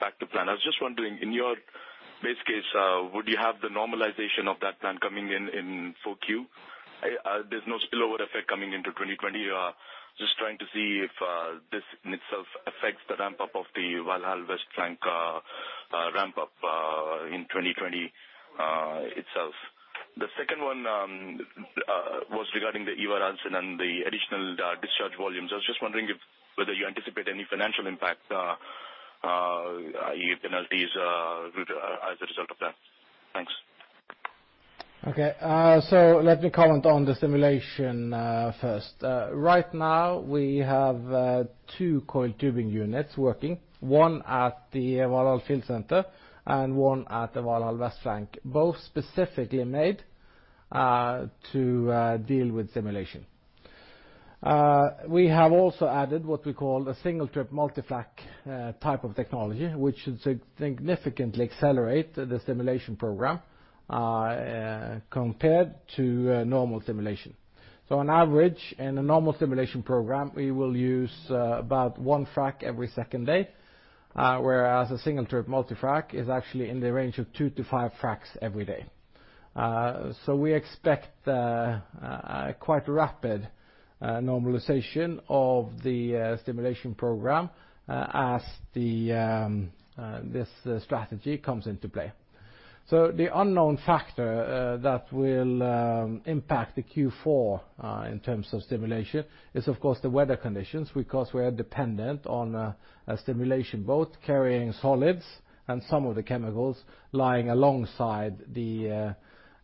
back to plan. I was just wondering, in your base case, would you have the normalization of that plan coming in in 4Q? There's no spillover effect coming into 2020. Just trying to see if this in itself affects the ramp-up of the Valhall West flank ramp-up, in 2020 itself. The second one was regarding the Ivar Aasen and the additional discharge volumes. I was just wondering whether you anticipate any financial impact, penalties as a result of that. Thanks. Okay. Let me comment on the stimulation first. Right now, we have two coiled tubing units working, one at the Valhall Field Center and one at the Valhall West flank, both specifically made to deal with stimulation. We have also added what we call a single-trip multi-zone frac-pack type of technology, which should significantly accelerate the stimulation program compared to normal stimulation. On average, in a normal stimulation program, we will use about one frac every second day, whereas a single-trip multi-zone frac-pack is actually in the range of two to five fracs every day. We expect quite rapid normalization of the stimulation program as this strategy comes into play. The unknown factor that will impact the Q4 in terms of stimulation is, of course, the weather conditions, because we are dependent on a stimulation boat carrying solids and some of the chemicals lying alongside the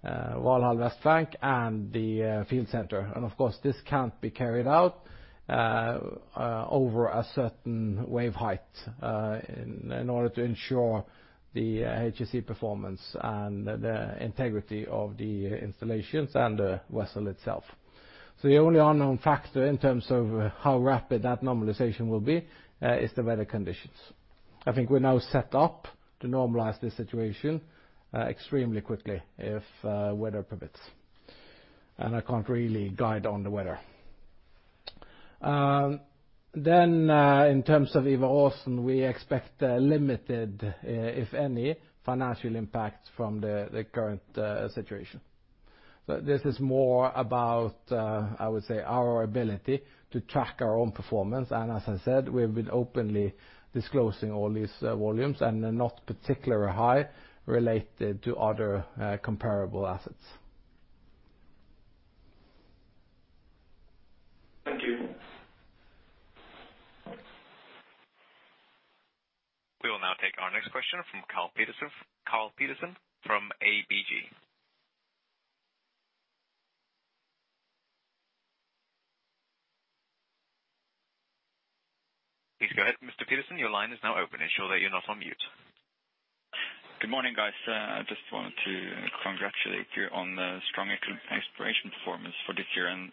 Valhall West flank and the field center. Of course, this can't be carried out over a certain wave height in order to ensure the HSE performance and the integrity of the installations and the vessel itself. The only unknown factor in terms of how rapid that normalization will be is the weather conditions. I think we're now set up to normalize this situation extremely quickly if weather permits, and I can't really guide on the weather. In terms of Ivar Aasen, we expect limited, if any, financial impact from the current situation. This is more about, I would say, our ability to track our own performance. As I said, we've been openly disclosing all these volumes, and they're not particularly high related to other comparable assets. Thank you. We will now take our next question from Carl Peterson from ABG. Please go ahead, Mr. Peterson. Your line is now open. Ensure that you're not on mute. Good morning, guys. I just wanted to congratulate you on the strong exploration performance for this year and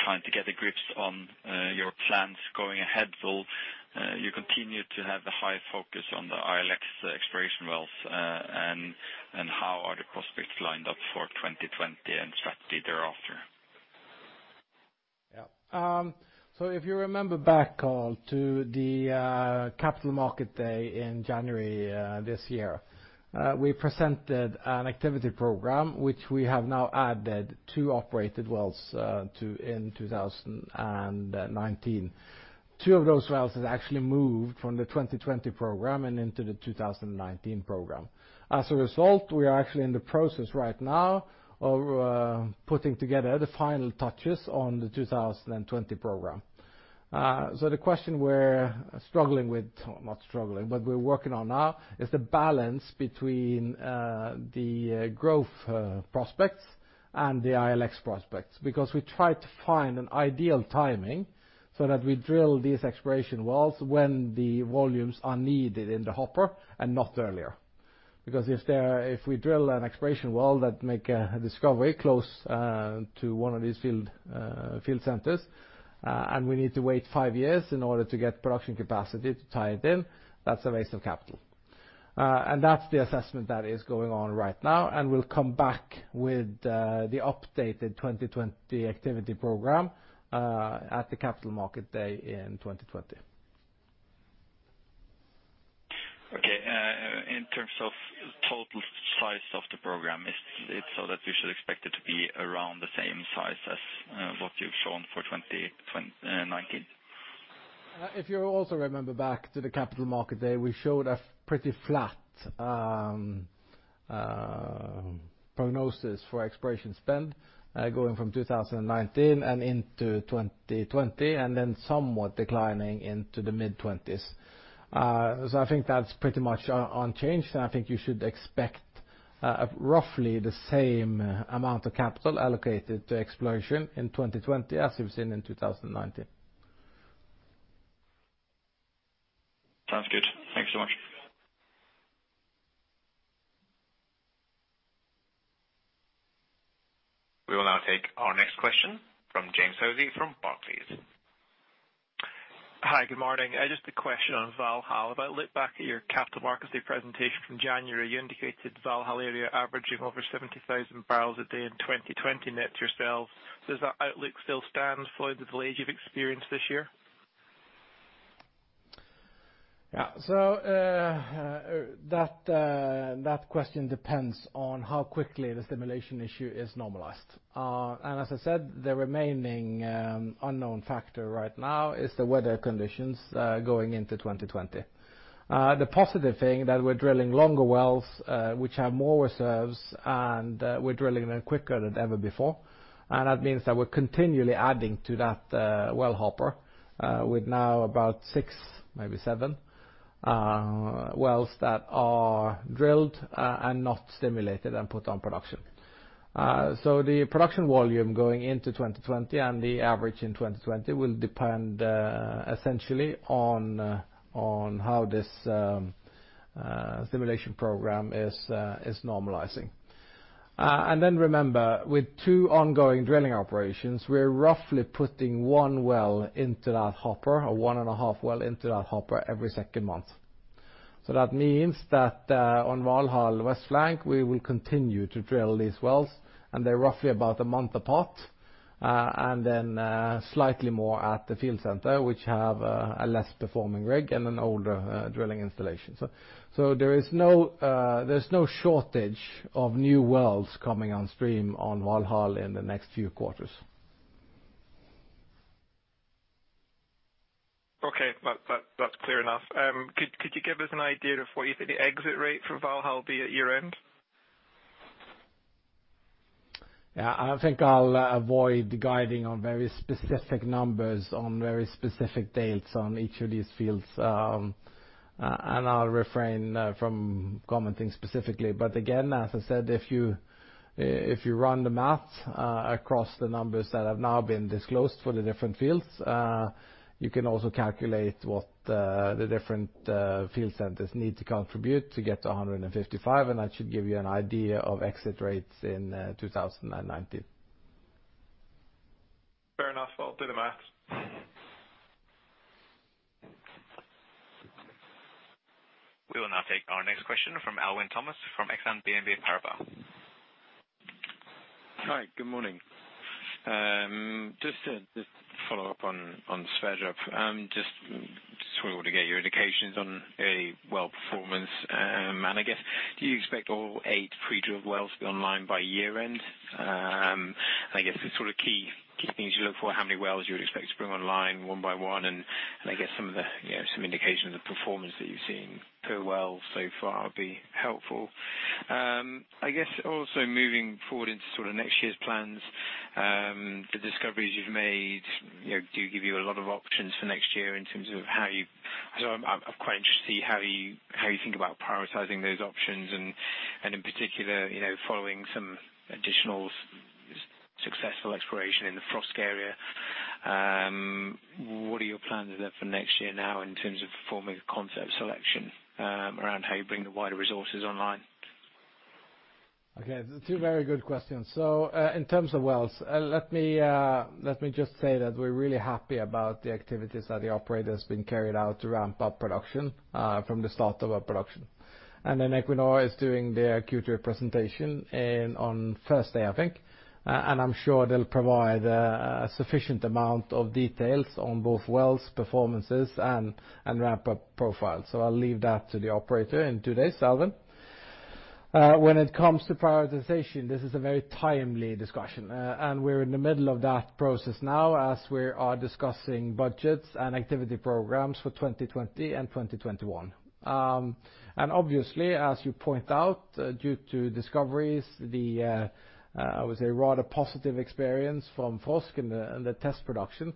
trying to get a grip on your plans going ahead. Will you continue to have the high focus on the ILX exploration wells, and how are the prospects lined up for 2020 and strategy thereafter? Yeah. If you remember back, Karl, to the Capital Markets Day in January this year, we presented an activity program which we have now added two operated wells in 2019. Two of those wells have actually moved from the 2020 program and into the 2019 program. As a result, we are actually in the process right now of putting together the final touches on the 2020 program. The question we're struggling with, not struggling, but we're working on now is the balance between the growth prospects and the ILX prospects, because we try to find an ideal timing so that we drill these exploration wells when the volumes are needed in the hopper and not earlier. Because if we drill an exploration well that make a discovery close to one of these field centers, and we need to wait five years in order to get production capacity to tie it in, that's a waste of capital. That's the assessment that is going on right now, and we'll come back with the updated 2020 activity program at the Capital Markets Day in 2020. Okay. In terms of total size of the program, is it so that we should expect it to be around the same size as what you've shown for 2019? If you also remember back to the Capital Markets Day, we showed a pretty flat prognosis for exploration spend, going from 2019 and into 2020, and then somewhat declining into the mid-'20s. I think that's pretty much unchanged, and I think you should expect roughly the same amount of capital allocated to exploration in 2020 as we've seen in 2019. Sounds good. Thank you so much. We will now take our next question from James Hosie from Barlaysclays. Hi, good morning. Just a question on Valhall. If I look back at your Capital Markets Day presentation from January, you indicated Valhall area averaging over 70,000 barrels a day in 2020 net yourselves. Does that outlook still stand for the delay you've experienced this year? Yeah. That question depends on how quickly the stimulation issue is normalized. As I said, the remaining unknown factor right now is the weather conditions going into 2020. The positive thing that we're drilling longer wells, which have more reserves, and we're drilling them quicker than ever before. That means that we're continually adding to that well hopper with now about six, maybe seven wells that are drilled and not stimulated and put on production. The production volume going into 2020 and the average in 2020 will depend essentially on how this stimulation program is normalizing. Remember, with two ongoing drilling operations, we're roughly putting one well into that hopper, or one and a half well into that hopper every second month. That means that on Valhall, West Flank, we will continue to drill these wells, and they're roughly about a month apart. Slightly more at the field center, which have a less performing rig and an older drilling installation. There's no shortage of new wells coming on stream on Valhall in the next few quarters. Okay. That's clear enough. Could you give us an idea of what you think the exit rate for Valhall will be at year-end? Yeah, I think I'll avoid guiding on very specific numbers on very specific dates on each of these fields. I'll refrain from commenting specifically. Again, as I said, if you run the math across the numbers that have now been disclosed for the different fields, you can also calculate what the different field centers need to contribute to get to 155, and that should give you an idea of exit rates in 2019. Fair enough. I'll do the math. We will now take our next question from Alwyn Thomas from Exane BNP Paribas. Hi, good morning. Just to follow up on Sverre, just sort of want to get your indications on early well performance. I guess, do you expect all eight pre-drilled wells to be online by year-end? I guess the sort of key things you look for, how many wells you would expect to bring online one by one and I guess some indication of the performance that you've seen per well so far would be helpful. I guess also moving forward into sort of next year's plans, the discoveries you've made do give you a lot of options for next year in terms of. I'm quite interested to see how you think about prioritizing those options and, in particular, following some additional successful exploration in the Frosk area. What are your plans then for next year now in terms of performing a concept selection around how you bring the wider resources online? Okay. Two very good questions. In terms of wells, let me just say that we're really happy about the activities that the operator's been carried out to ramp up production from the start of our production. Equinor is doing their Q2 presentation on Thursday, I think. I'm sure they'll provide a sufficient amount of details on both wells' performances and ramp-up profiles. I'll leave that to the operator in two days, Alwyn. When it comes to prioritization, this is a very timely discussion, and we're in the middle of that process now as we are discussing budgets and activity programs for 2020 and 2021. Obviously, as you point out, due to discoveries, I would say a rather positive experience from Frosk in the test production,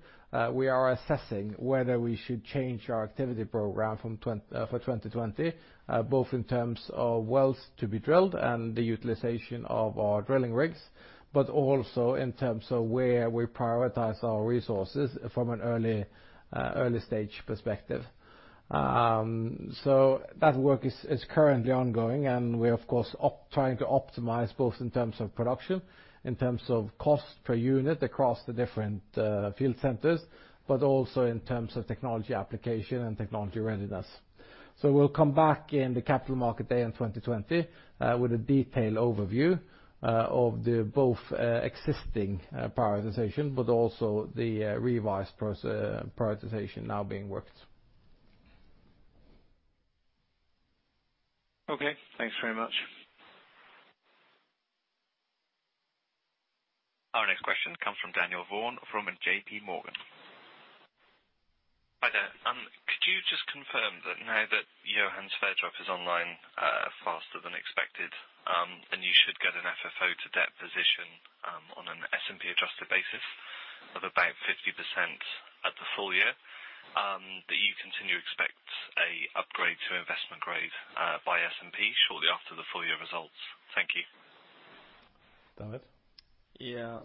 we are assessing whether we should change our activity program for 2020, both in terms of wells to be drilled and the utilization of our drilling rigs. Also in terms of where we prioritize our resources from an early stage perspective. That work is currently ongoing and we're of course trying to optimize both in terms of production, in terms of cost per unit across the different field centers, but also in terms of technology application and technology readiness. We'll come back in the Capital Markets Day in 2020 with a detailed overview of both existing prioritization and the revised prioritization now being worked. Okay, thanks very much. Our next question comes from Daniel Vaughan from JP Morgan. Hi there. Could you just confirm that now that Johan Sverdrup is online faster than expected, and you should get an FFO to debt position on an S&P adjusted basis of about 50% at the full year, that you continue to expect an upgrade to investment grade by S&P shortly after the full year results? Thank you. David? Yeah.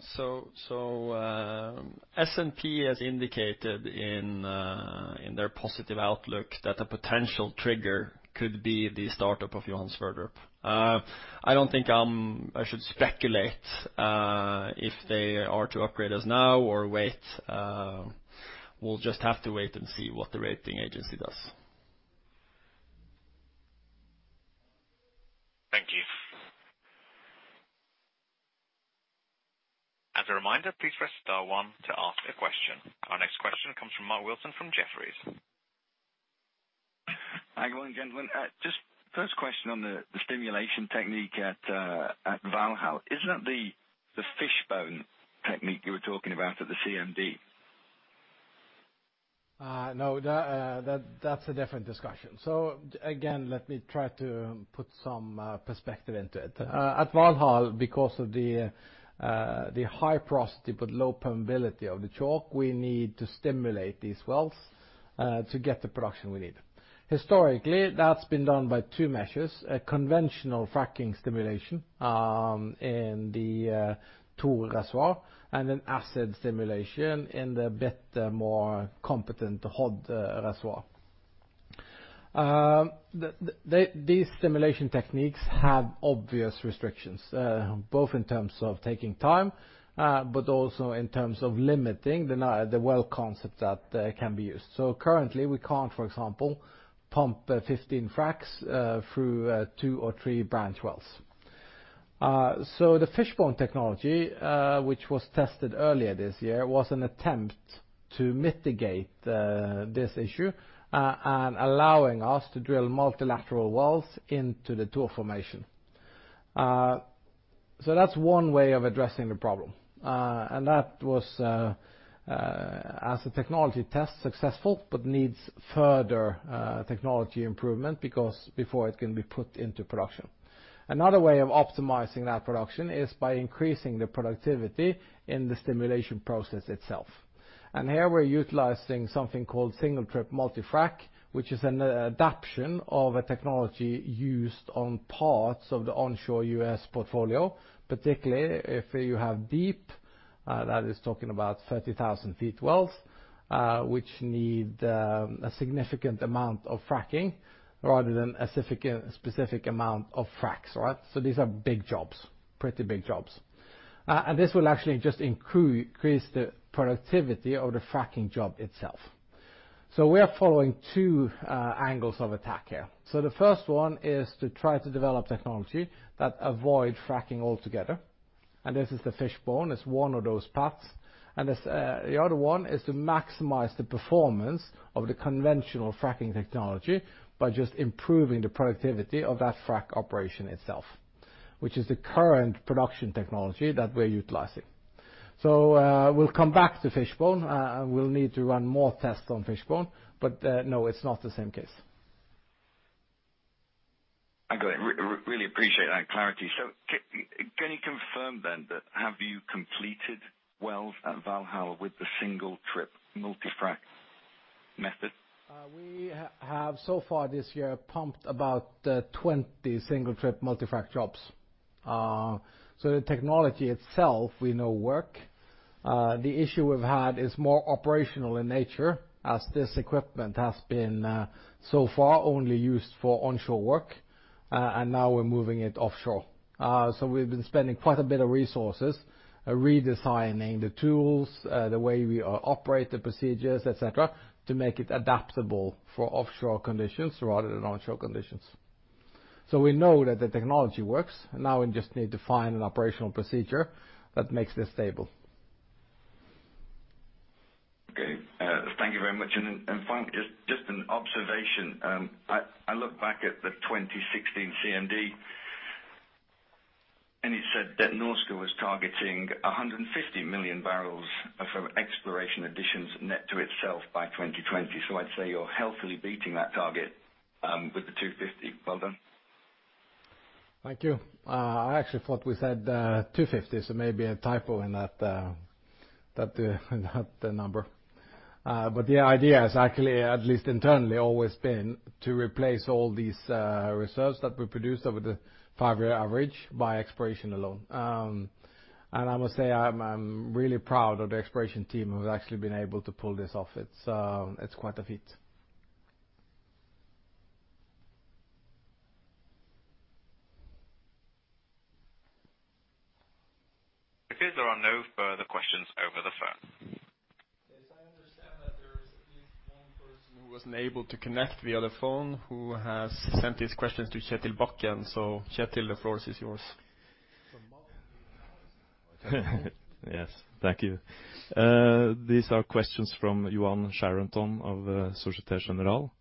S&P has indicated in their positive outlook that a potential trigger could be the startup of Johan Sverdrup. I don't think I should speculate if they are to upgrade us now or wait. We'll just have to wait and see what the rating agency does. Thank you. As a reminder, please press star one to ask a question. Our next question comes from Mark Wilson from Jefferies. Hi, good morning, gentlemen. Just first question on the stimulation technique at Valhall. Isn't that the fishbone technique you were talking about at the CMD? That's a different discussion. Again, let me try to put some perspective into it. At Valhall, because of the high porosity but low permeability of the chalk, we need to stimulate these wells to get the production we need. Historically, that's been done by two measures, a conventional fracking stimulation in the Tor reservoir and an acid stimulation in the bit more competent Hod reservoir. These stimulation techniques have obvious restrictions both in terms of taking time, but also in terms of limiting the well concept that can be used. Currently we can't, for example, pump 15 fracs through two or three branch wells. The fishbone technology, which was tested earlier this year, was an attempt to mitigate this issue, and allowing us to drill multilateral wells into the Tor formation. That's one way of addressing the problem, and that was as a technology test, successful, but needs further technology improvement before it can be put into production. Another way of optimizing that production is by increasing the productivity in the stimulation process itself. Here we're utilizing something called single-trip multi-frac, which is an adaption of a technology used on parts of the onshore U.S. portfolio. Particularly if you have deep, that is talking about 30,000 feet wells, which need a significant amount of fracking rather than a specific amount of fracs. These are big jobs, pretty big jobs. This will actually just increase the productivity of the fracking job itself. We are following two angles of attack here. The first one is to try to develop technology that avoid fracking altogether, and this is the fishbone. It's one of those paths. The other one is to maximize the performance of the conventional fracking technology by just improving the productivity of that frac operation itself, which is the current production technology that we're utilizing. We'll come back to fishbone. We'll need to run more tests on fishbone, no, it's not the same case. I really appreciate that clarity. Can you confirm then that have you completed wells at Valhall with the single-trip multi-zone frac-pack method? We have so far this year pumped about 20 single-trip multi-zone frac-pack jobs. The technology itself we know works. The issue we've had is more operational in nature as this equipment has been so far only used for onshore work, and now we're moving it offshore. We've been spending quite a bit of resources redesigning the tools, the way we operate the procedures, et cetera, to make it adaptable for offshore conditions rather than onshore conditions. We know that the technology works. Now we just need to find an operational procedure that makes this stable. Okay. Thank you very much. Finally, just an observation. I look back at the 2016 CMD, and it said that Aker BP was targeting 150 million barrels from exploration additions net to itself by 2020. I'd say you're healthily beating that target, with the 250. Well done. Thank you. I actually thought we said 250, maybe a typo in that number. The idea has actually, at least internally, always been to replace all these reserves that we produce over the five-year average by exploration alone. I must say, I'm really proud of the exploration team who have actually been able to pull this off. It's quite a feat. It says there are no further questions over the phone. Yes, I understand that there is at least one person who wasn't able to connect via the phone, who has sent his questions to Kjetil Bakken. Kjetil, the floor is yours. Yes, thank you. These are questions from Yoann Charenton of Societe Generale.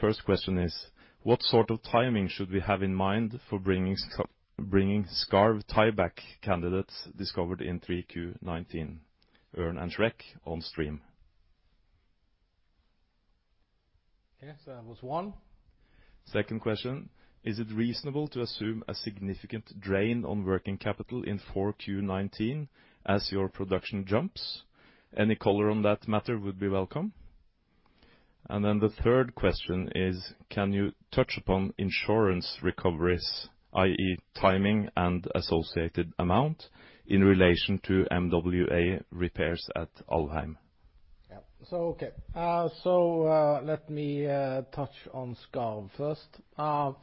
First question is: What sort of timing should we have in mind for bringing Skarv tieback candidates discovered in 3Q19, Ørn and Shrek, on stream? Okay, that was one. Second question, is it reasonable to assume a significant drain on working capital in 4Q19 as your production jumps? Any color on that matter would be welcome. The third question is, can you touch upon insurance recoveries, i.e., timing and associated amount in relation to MWA repairs at Alvheim? Yeah. Okay. Let me touch on Skarv first. On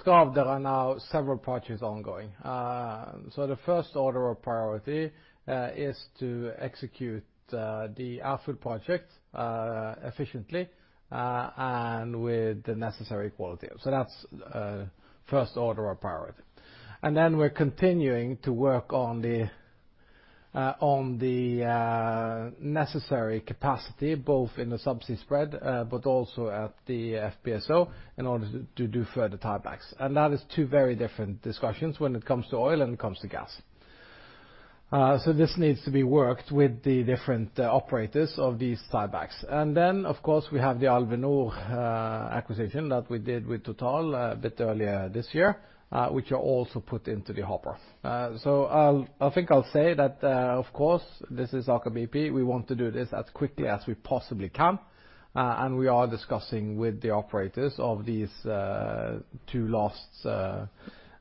Skarv, there are now several projects ongoing. The first order of priority is to execute the Ærfugl project efficiently and with the necessary quality. That's first order of priority. We're continuing to work on the necessary capacity, both in the subsea spread but also at the FPSO, in order to do further tiebacks. That is two very different discussions when it comes to oil and it comes to gas. This needs to be worked with the different operators of these tiebacks. Of course, we have the Alvheim North acquisition that we did with Total a bit earlier this year, which are also put into the hopper. I think I'll say that, of course, this is Aker BP. We want to do this as quickly as we possibly can. We are discussing with the operators of these two last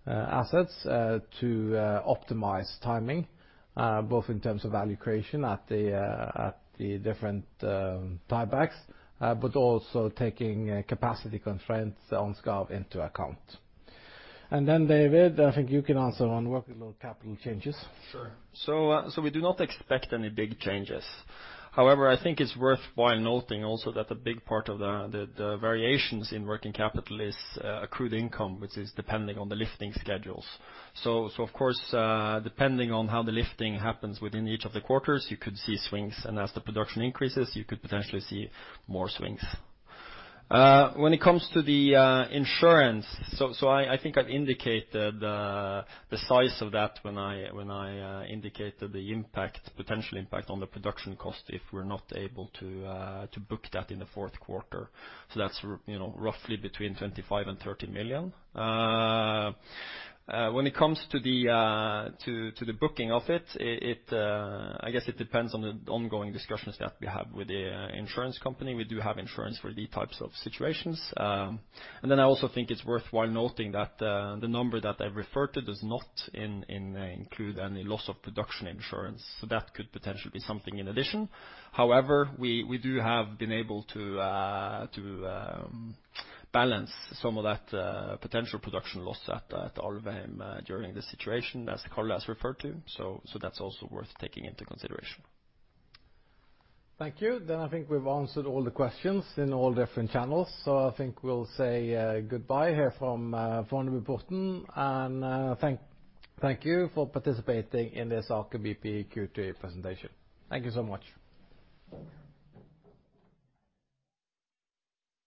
assets to optimize timing, both in terms of value creation at the different tiebacks, but also taking capacity constraints on Skarv into account. David, I think you can answer on working capital changes. Sure. We do not expect any big changes. However, I think it's worthwhile noting also that a big part of the variations in working capital is accrued income, which is dependent on the lifting schedules. Of course, depending on how the lifting happens within each of the quarters, you could see swings, and as the production increases, you could potentially see more swings. When it comes to the insurance, I think I've indicated the size of that when I indicated the potential impact on the production cost if we're not able to book that in the fourth quarter. That's roughly between 25 million and 30 million. When it comes to the booking of it, I guess it depends on the ongoing discussions that we have with the insurance company. We do have insurance for these types of situations. I also think it's worthwhile noting that the number that I referred to does not include any loss of production insurance. That could potentially be something in addition. However, we do have been able to balance some of that potential production loss at Alvheim during this situation, as Karl has referred to. That's also worth taking into consideration. Thank you. I think we've answered all the questions in all different channels. I think we'll say goodbye here from Fornebuporten, and thank you for participating in this Aker BP Q3 presentation. Thank you so much.